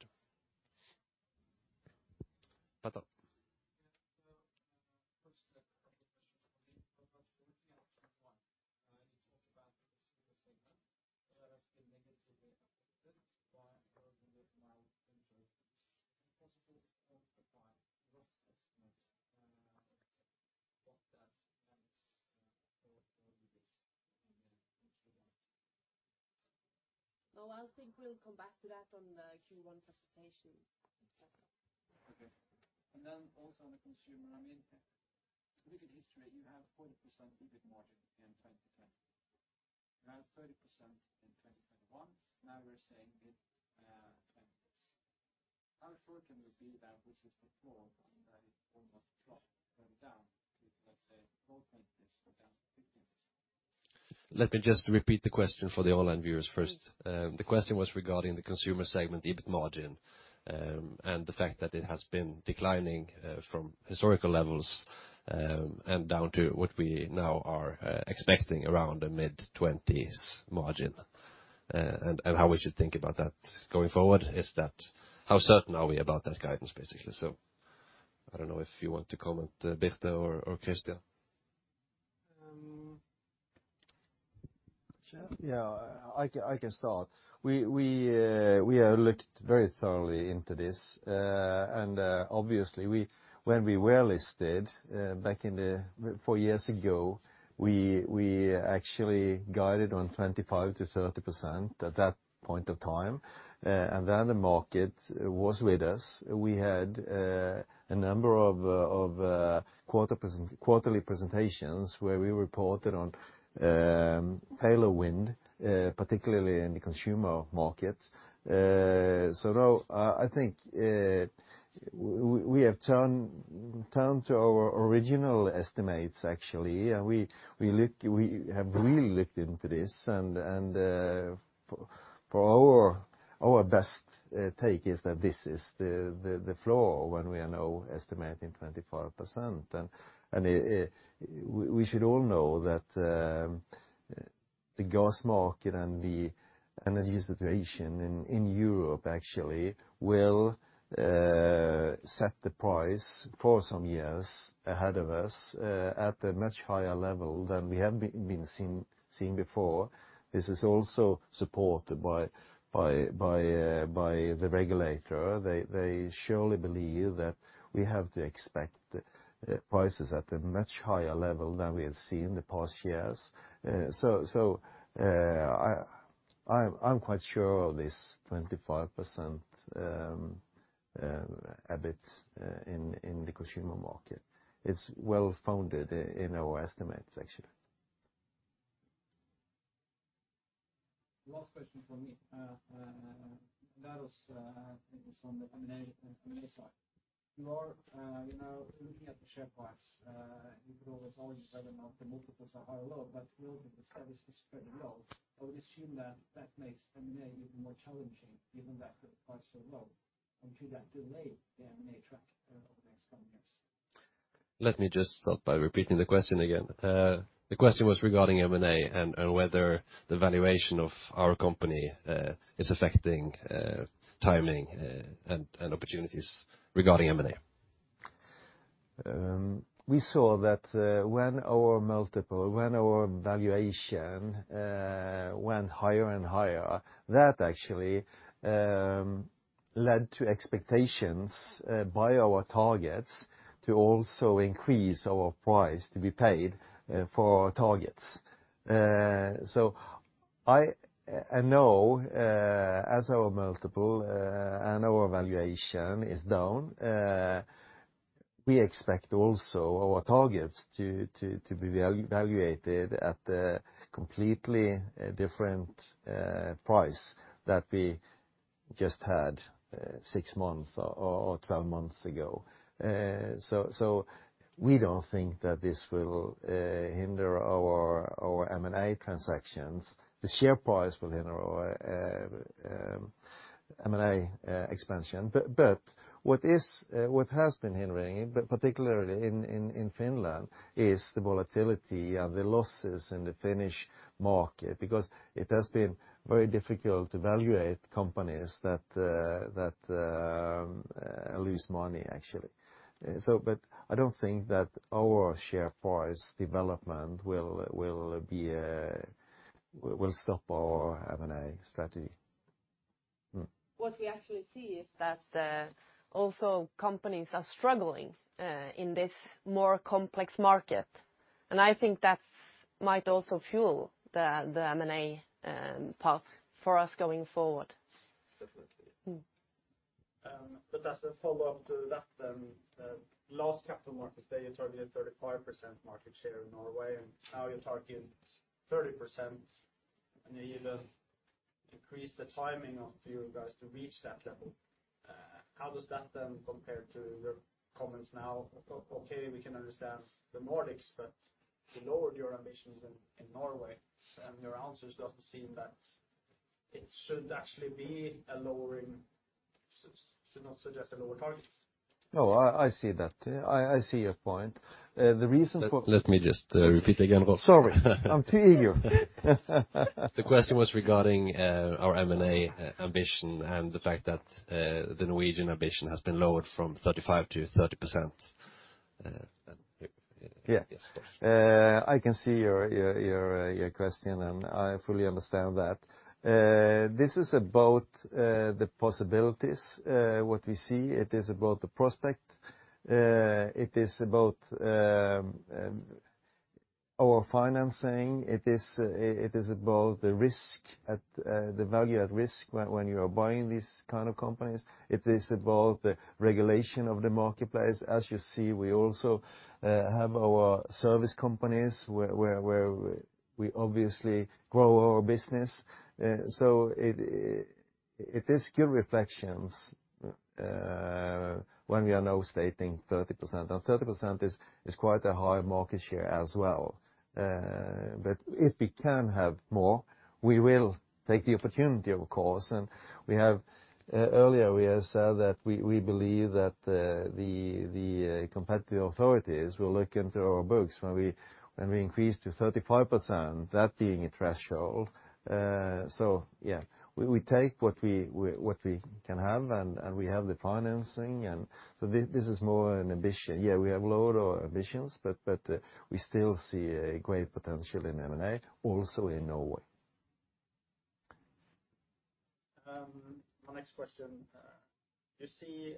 Peter. First, couple questions for me. Absolutely option one, you talked about the Consumer segment that has been negatively affected by a rather mild winter. Is it possible to quantify rough estimates, what that was, for you this in Q1? No, I think we'll come back to that on the Q1 presentation. Okay. Also on the consumer, I mean, if you look at history, you have 40% EBIT margin in 2010. You have 30% in 2021. Now we're saying mid 20s%. How certain would be that this is the floor and that it almost dropped going down to, let's say, low 20s or down to 15%? Let me just repeat the question for the online viewers first. The question was regarding the Consumer segment EBIT margin, and the fact that it has been declining from historical levels, and down to what we now are expecting around a mid-20s% margin, and how we should think about that going forward. How certain are we about that guidance, basically? I don't know if you want to comment, Birte or Christian. I can start. We have looked very thoroughly into this, and obviously when we were listed back in four years ago, we actually guided on 25%-30% at that point of time. Then the market was with us. We had a number of quarterly presentations where we reported on tailwind, particularly in the Consumer market. No, I think we have turned to our original estimates actually, and we have really looked into this and for our best take is that this is the floor when we are now estimating 25%. We should all know that the gas market and the energy situation in Europe actually will set the price for some years ahead of us at a much higher level than we have seen before. This is also supported by the regulator. They surely believe that we have to expect prices at a much higher level than we have seen the past years. I'm quite sure of this 25% EBIT in the Consumer market. It's well-founded in our estimates, actually. Last question from me. That was maybe some M&A side. You are, you know, looking at the share price. You could always argue whether or not the multiples are high or low, but knowing that the services spread is low, I would assume that makes M&A even more challenging given that the price is so low. Could that delay the M&A track over the next couple years? Let me just start by repeating the question again. The question was regarding M&A and whether the valuation of our company is affecting timing and opportunities regarding M&A. We saw that, when our multiple, when our valuation, went higher and higher, that actually led to expectations by our targets to also increase our price to be paid for our targets. I know, as our multiple and our valuation is down, we expect also our targets to be valued at a completely different price that we just had 6 months or 12 months ago. We don't think that this will hinder our M&A transactions. The share price will hinder our M&A expansion. What has been hindering, but particularly in Finland, is the volatility and the losses in the Finnish market, because it has been very difficult to valuate companies that lose money, actually. I don't think that our share price development will stop our M&A strategy. What we actually see is that also companies are struggling in this more complex market. I think that's might also fuel the M&A path for us going forward. As a follow-up to that then, last capital markets day you targeted 35% market share in Norway, and now you're targeting 30%, and you even decreased the timing of you guys to reach that level. How does that then compare to your comments now? We can understand the Nordics, but you lowered your ambitions in Norway, and your answers doesn't seem that it should actually be a lowering. Should not suggest a lower target. No, I see that. I see your point. The reason for Let me just repeat again, Rolf. Sorry. I'm too eager. The question was regarding our M&A ambition and the fact that the Norwegian ambition has been lowered from 35 to 30%. Yeah. Yeah. Yes. I can see your question, and I fully understand that. This is about the possibilities, what we see. It is about the prospect. It is about our financing. It is about the risk, the value at risk when you are buying these kind of companies. It is about the regulation of the marketplace. As you see, we also have our service companies where we obviously grow our business. It is good reflections when we are now stating 30%. Now 30% is quite a high market share as well. If we can have more, we will take the opportunity of course. We have earlier said that we believe that the competitive authorities will look into our books when we increase to 35%, that being a threshold. Yeah, we take what we can have, and we have the financing. This is more an ambition. Yeah, we have lowered our ambitions, but we still see a great potential in M&A, also in Norway. My next question. You see,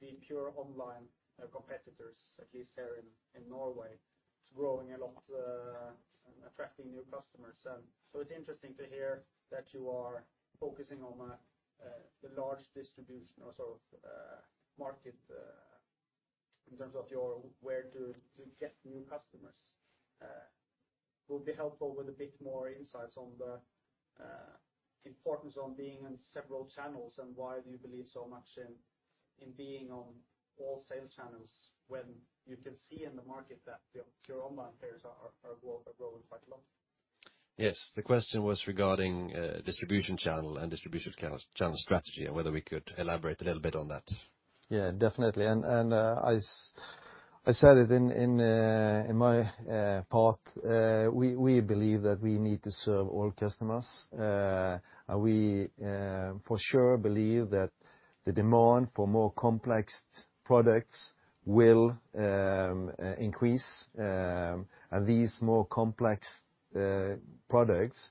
the pure online competitors, at least here in Norway, it's growing a lot and attracting new customers. It's interesting to hear that you are focusing on the large distribution or sort of market, in terms of your way to get new customers. Would be helpful with a bit more insights on the importance on being in several channels and why do you believe so much in being on all sales channels when you can see in the market that the pure online players are growing quite a lot. Yes. The question was regarding distribution channel and distribution channel strategy and whether we could elaborate a little bit on that. Yeah, definitely. I said it in my part, we believe that we need to serve all customers. We for sure believe that the demand for more complex products will increase. These more complex products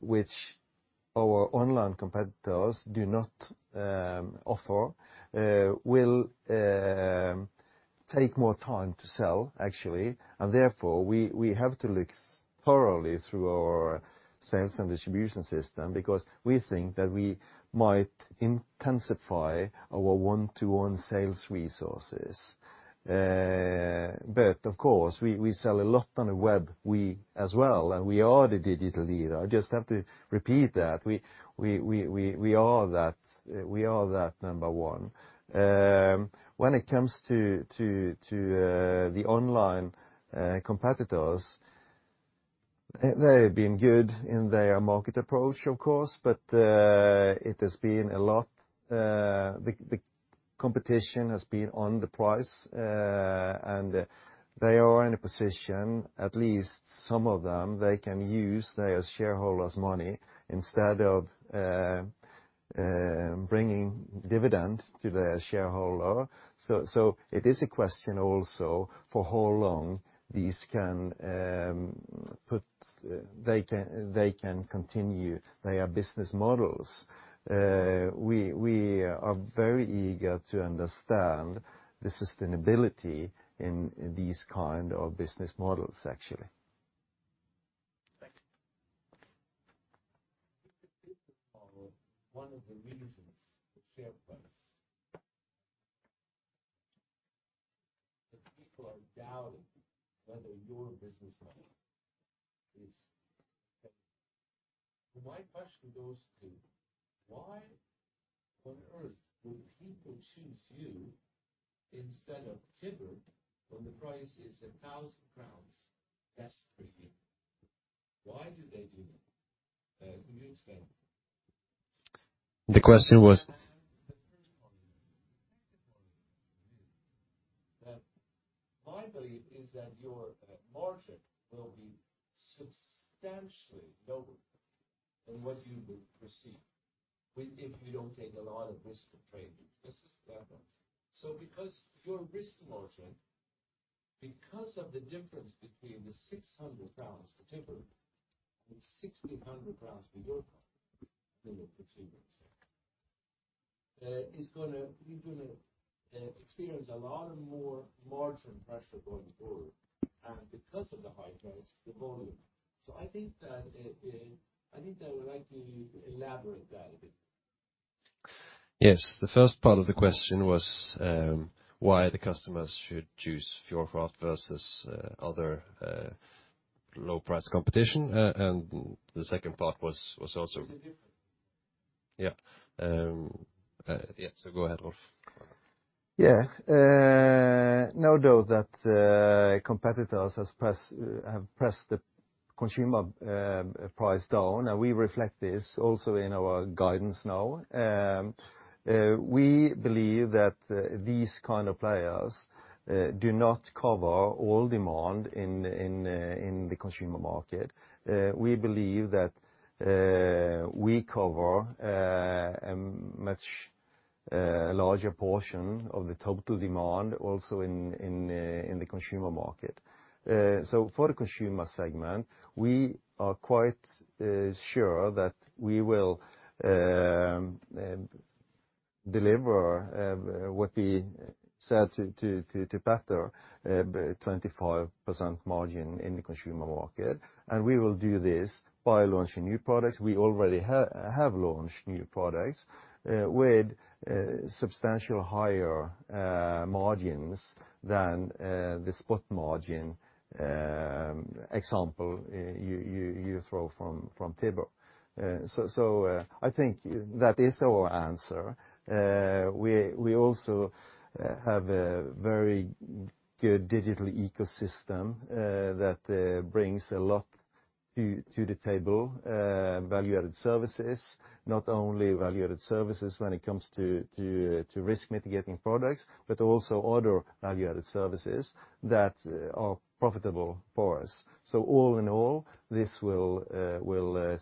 which our online competitors do not offer will take more time to sell actually. Therefore we have to look thoroughly through our sales and distribution system because we think that we might intensify our one-to-one sales resources. Of course we sell a lot on the web, we as well, and we are the digital leader. I just have to repeat that. We are that number one. When it comes to the online competitors, they have been good in their market approach, of course, but it has been a lot, the competition has been on the price, and they are in a position, at least some of them, they can use their shareholders money instead of bringing dividends to their shareholder. It is a question also for how long these can continue their business models. We are very eager to understand the sustainability in these kind of business models, actually. Thank you. Is the business model one of the reasons the share price that people are doubting whether your business model is. Okay. My question goes to why on earth would people choose you instead of Tibber when the price is NOK 1,000 less for him? Why do they do that? Can you explain? The question was. That my belief is that your margin will be substantially lower than what you will receive if you don't take a lot of risk of trade. This is level. Because your risk margin, because of the difference between the 600 for Tibber and NOK 1,600 for your product that you're perceiving, you're gonna experience a lot more margin pressure going forward and because of the high price, the volume. I think I would like you to elaborate that a bit. Yes. The first part of the question was why the customers should choose Fjordkraft versus other low price competition. The second part was also. Yeah. Go ahead, Rolf. Yeah. Now that competitors have pressed the Consumer price down, and we reflect this also in our guidance now. We believe that these kind of players do not cover all demand in the Consumer market. We believe that we cover a much larger portion of the total demand also in the Consumer market. So for the Consumer segment, we are quite sure that we will deliver what we said to Petter 25% margin in the Consumer market. We will do this by launching new products. We already have launched new products with substantially higher margins than the spot margin example you throw from Tibber. So I think that is our answer. We also have a very good digital ecosystem that brings a lot to the table, value-added services, not only value-added services when it comes to risk mitigating products, but also other value-added services that are profitable for us. All in all, this will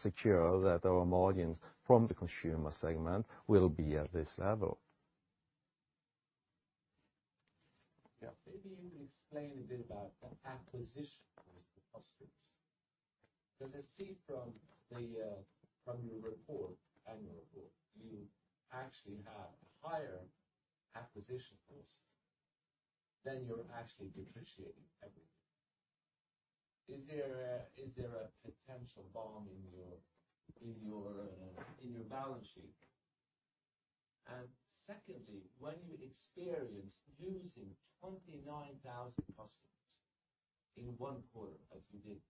secure that our margins from the Consumer segment will be at this level. Maybe you can explain a bit about the acquisition cost of customers. 'Cause I see from your report, annual report, you actually have a higher acquisition cost than you're actually depreciating every year. Is there a potential bomb in your balance sheet? Secondly, when you experience losing 29,000 customers in one quarter as you did,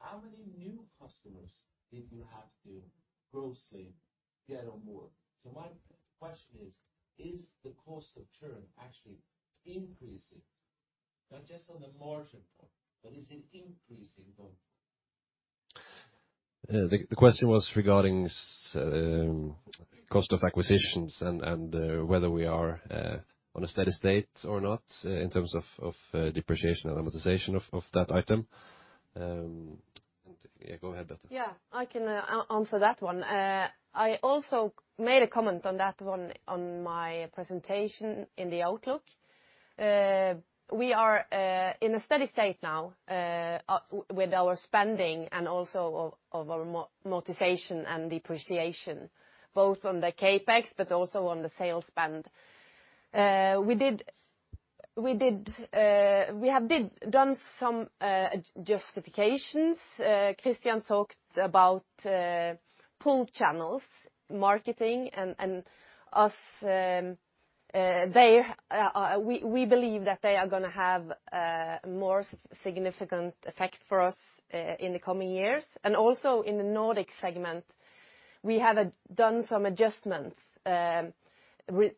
how many new customers did you have to grossly get on board? My question is the cost of churn actually increasing not just on the margin part, but is it increasing though? The question was regarding cost of acquisitions and whether we are on a steady state or not in terms of depreciation and amortization of that item. Yeah, go ahead, Birte. Yeah, I can answer that one. I also made a comment on that one on my presentation in the outlook. We are in a steady state now with our spending and also of our amortization and depreciation, both on the CapEx but also on the sales spend. We have done some adjustments. Christian talked about pull channels, marketing and use there. We believe that they are gonna have a more significant effect for us in the coming years. Also in the Nordic segment, we have done some adjustments,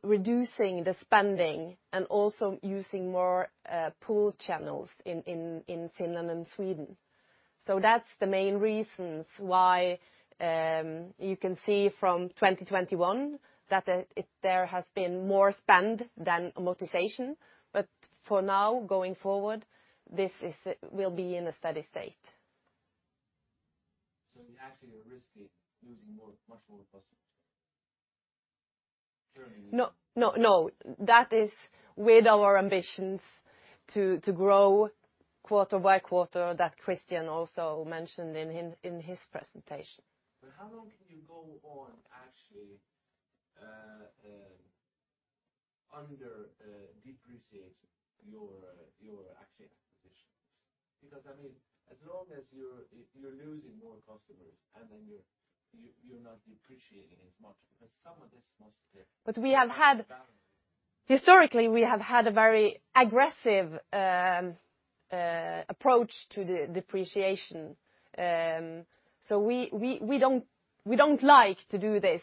reducing the spending and also using more pull channels in Finland and Sweden. That's the main reasons why you can see from 2021 that there has been more spend than amortization. For now going forward, this will be in a steady state. You actually are risking losing more, much more customers. No, no. That is with our ambitions to grow quarter by quarter that Christian also mentioned in his presentation. How long can you go on actually under depreciate your actual acquisitions? Because, I mean, as long as you're losing more customers, and then you're not depreciating as much, because some of this must We have had. Have to balance. Historically, we have had a very aggressive approach to the depreciation, so we don't like to do this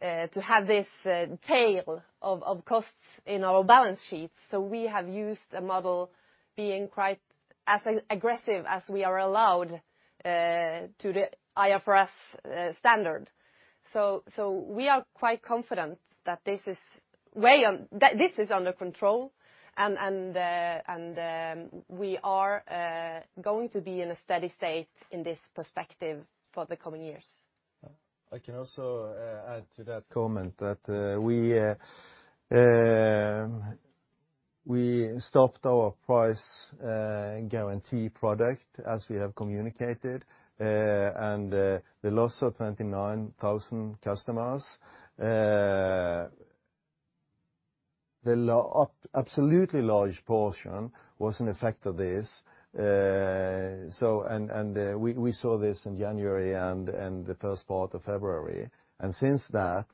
to have this tail of costs in our balance sheets. We have used a model being quite as aggressive as we are allowed under the IFRS standard. We are quite confident that this is under control and we are going to be in a steady state in this perspective for the coming years. I can also add to that comment that we stopped our price guarantee product as we have communicated, and the loss of 29,000 customers, an absolutely large portion, was an effect of this. We saw this in January and the first part of February. Since then,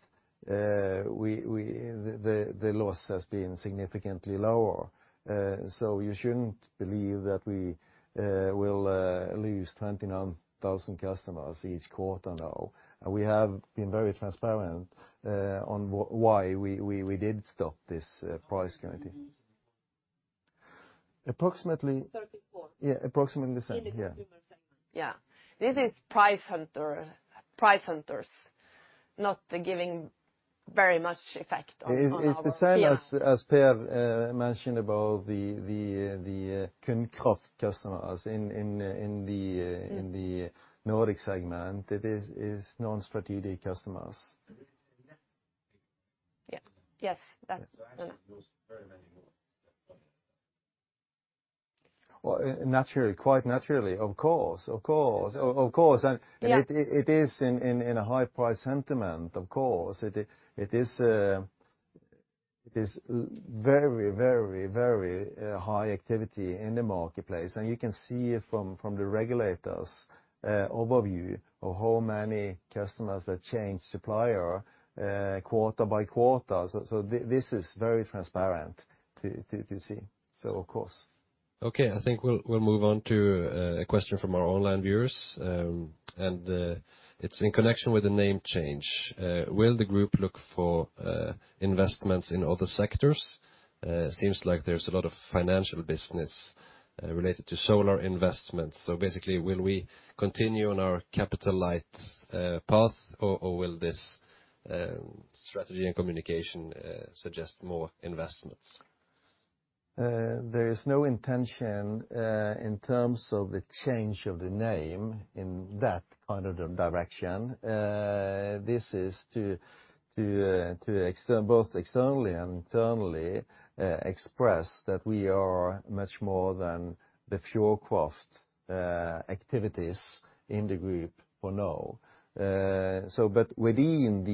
the loss has been significantly lower. You shouldn't believe that we will lose 29,000 customers each quarter now. We have been very transparent on why we did stop this price guarantee. How many customers in total? Approximately- 34. Yeah, approximately the same. Yeah. In the Consumer segment. Yeah. This is price hunters not giving very much effect on our- It's the same as Per mentioned about the Kundkraft customers in the Nordic segment. It is non-strategic customers. It's a net figure. Yeah. Yes. Actually you lose very many more customers. Well, naturally, quite naturally. Of course. Of course. Yeah. It is in a high price sentiment, of course. It is very, very, very high activity in the marketplace. You can see from the regulators' overview of how many customers that change supplier quarter by quarter. This is very transparent to see. Of course. Okay. I think we'll move on to a question from our online viewers. It's in connection with the name change. Will the group look for investments in other sectors? Seems like there's a lot of financial business related to solar investments. Basically, will we continue on our capital light path, or will this strategy and communication suggest more investments? There is no intention in terms of the change of the name in that kind of direction. This is to both externally and internally express that we are much more than the Fjordkraft activities in the group for now. Within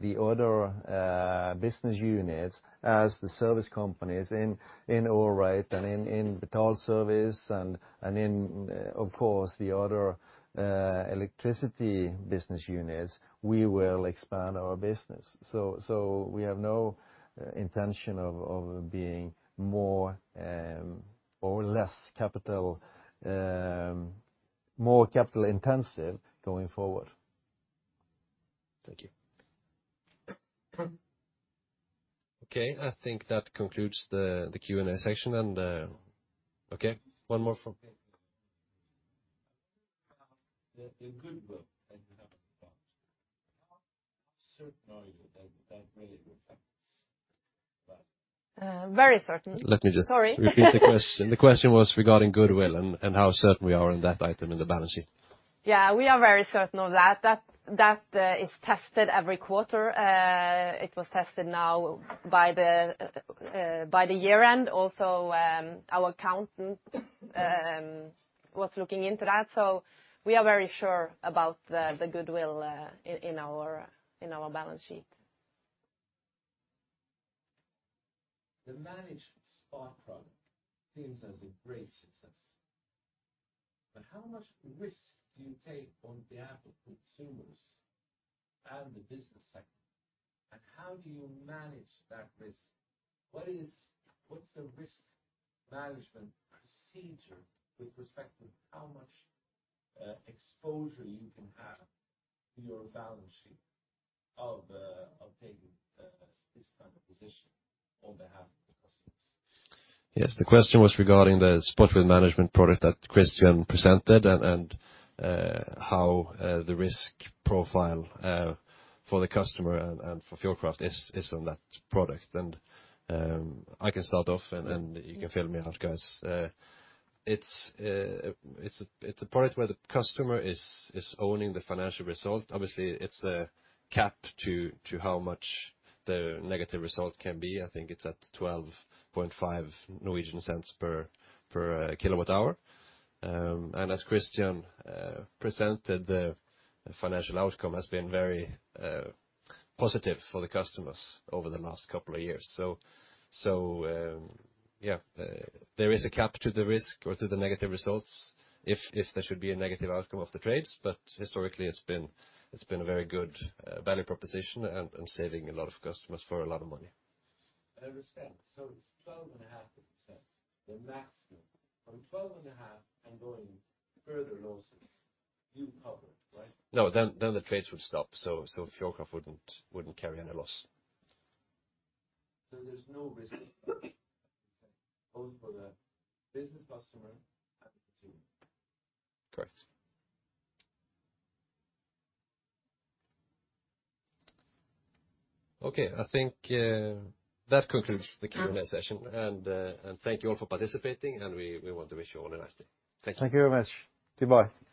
the other business units, as the service companies in Origo and in Betalservice and, of course, the other electricity business units, we will expand our business. We have no intention of being more or less capital-intensive going forward. Thank you. Okay, I think that concludes the Q&A session and. Okay, one more from- The goodwill that you have. Very certain. Let me just- Sorry. Repeat the question. The question was regarding goodwill and how certain we are on that item in the balance sheet. Yeah, we are very certain of that. That is tested every quarter. It was tested now by the year-end also. Our accountant was looking into that. We are very sure about the goodwill in our balance sheet. The Spot with management product seems as a great success. How much risk do you take on behalf of consumers and the business sector? And how do you manage that risk? What's the risk management procedure with respect to how much exposure you can have to your balance sheet of taking this kind of position on behalf of the customers? Yes. The question was regarding the Spot with management product that Christian presented and how the risk profile for the customer and for Fjordkraft is on that product. I can start off and you can fill me in, guys. It's a product where the customer is owning the financial result. Obviously, it's a cap to how much the negative result can be. I think it's at 12.5 Norwegian cents per kWh. And as Christian presented, the financial outcome has been very positive for the customers over the last couple of years. There is a cap to the risk or to the negative results if there should be a negative outcome of the trades. Historically, it's been a very good value proposition and saving a lot of customers for a lot of money. I understand. It's 12.5%, the maximum. From 12.5 and going further losses, you cover, right? No, the trades would stop. Fjordkraft wouldn't carry any loss. There's no risk both for the business customer and the consumer? Correct. Okay, I think that concludes the Q&A session. Thank you all for participating, and we want to wish you all a nice day. Thank you. Thank you very much. Goodbye.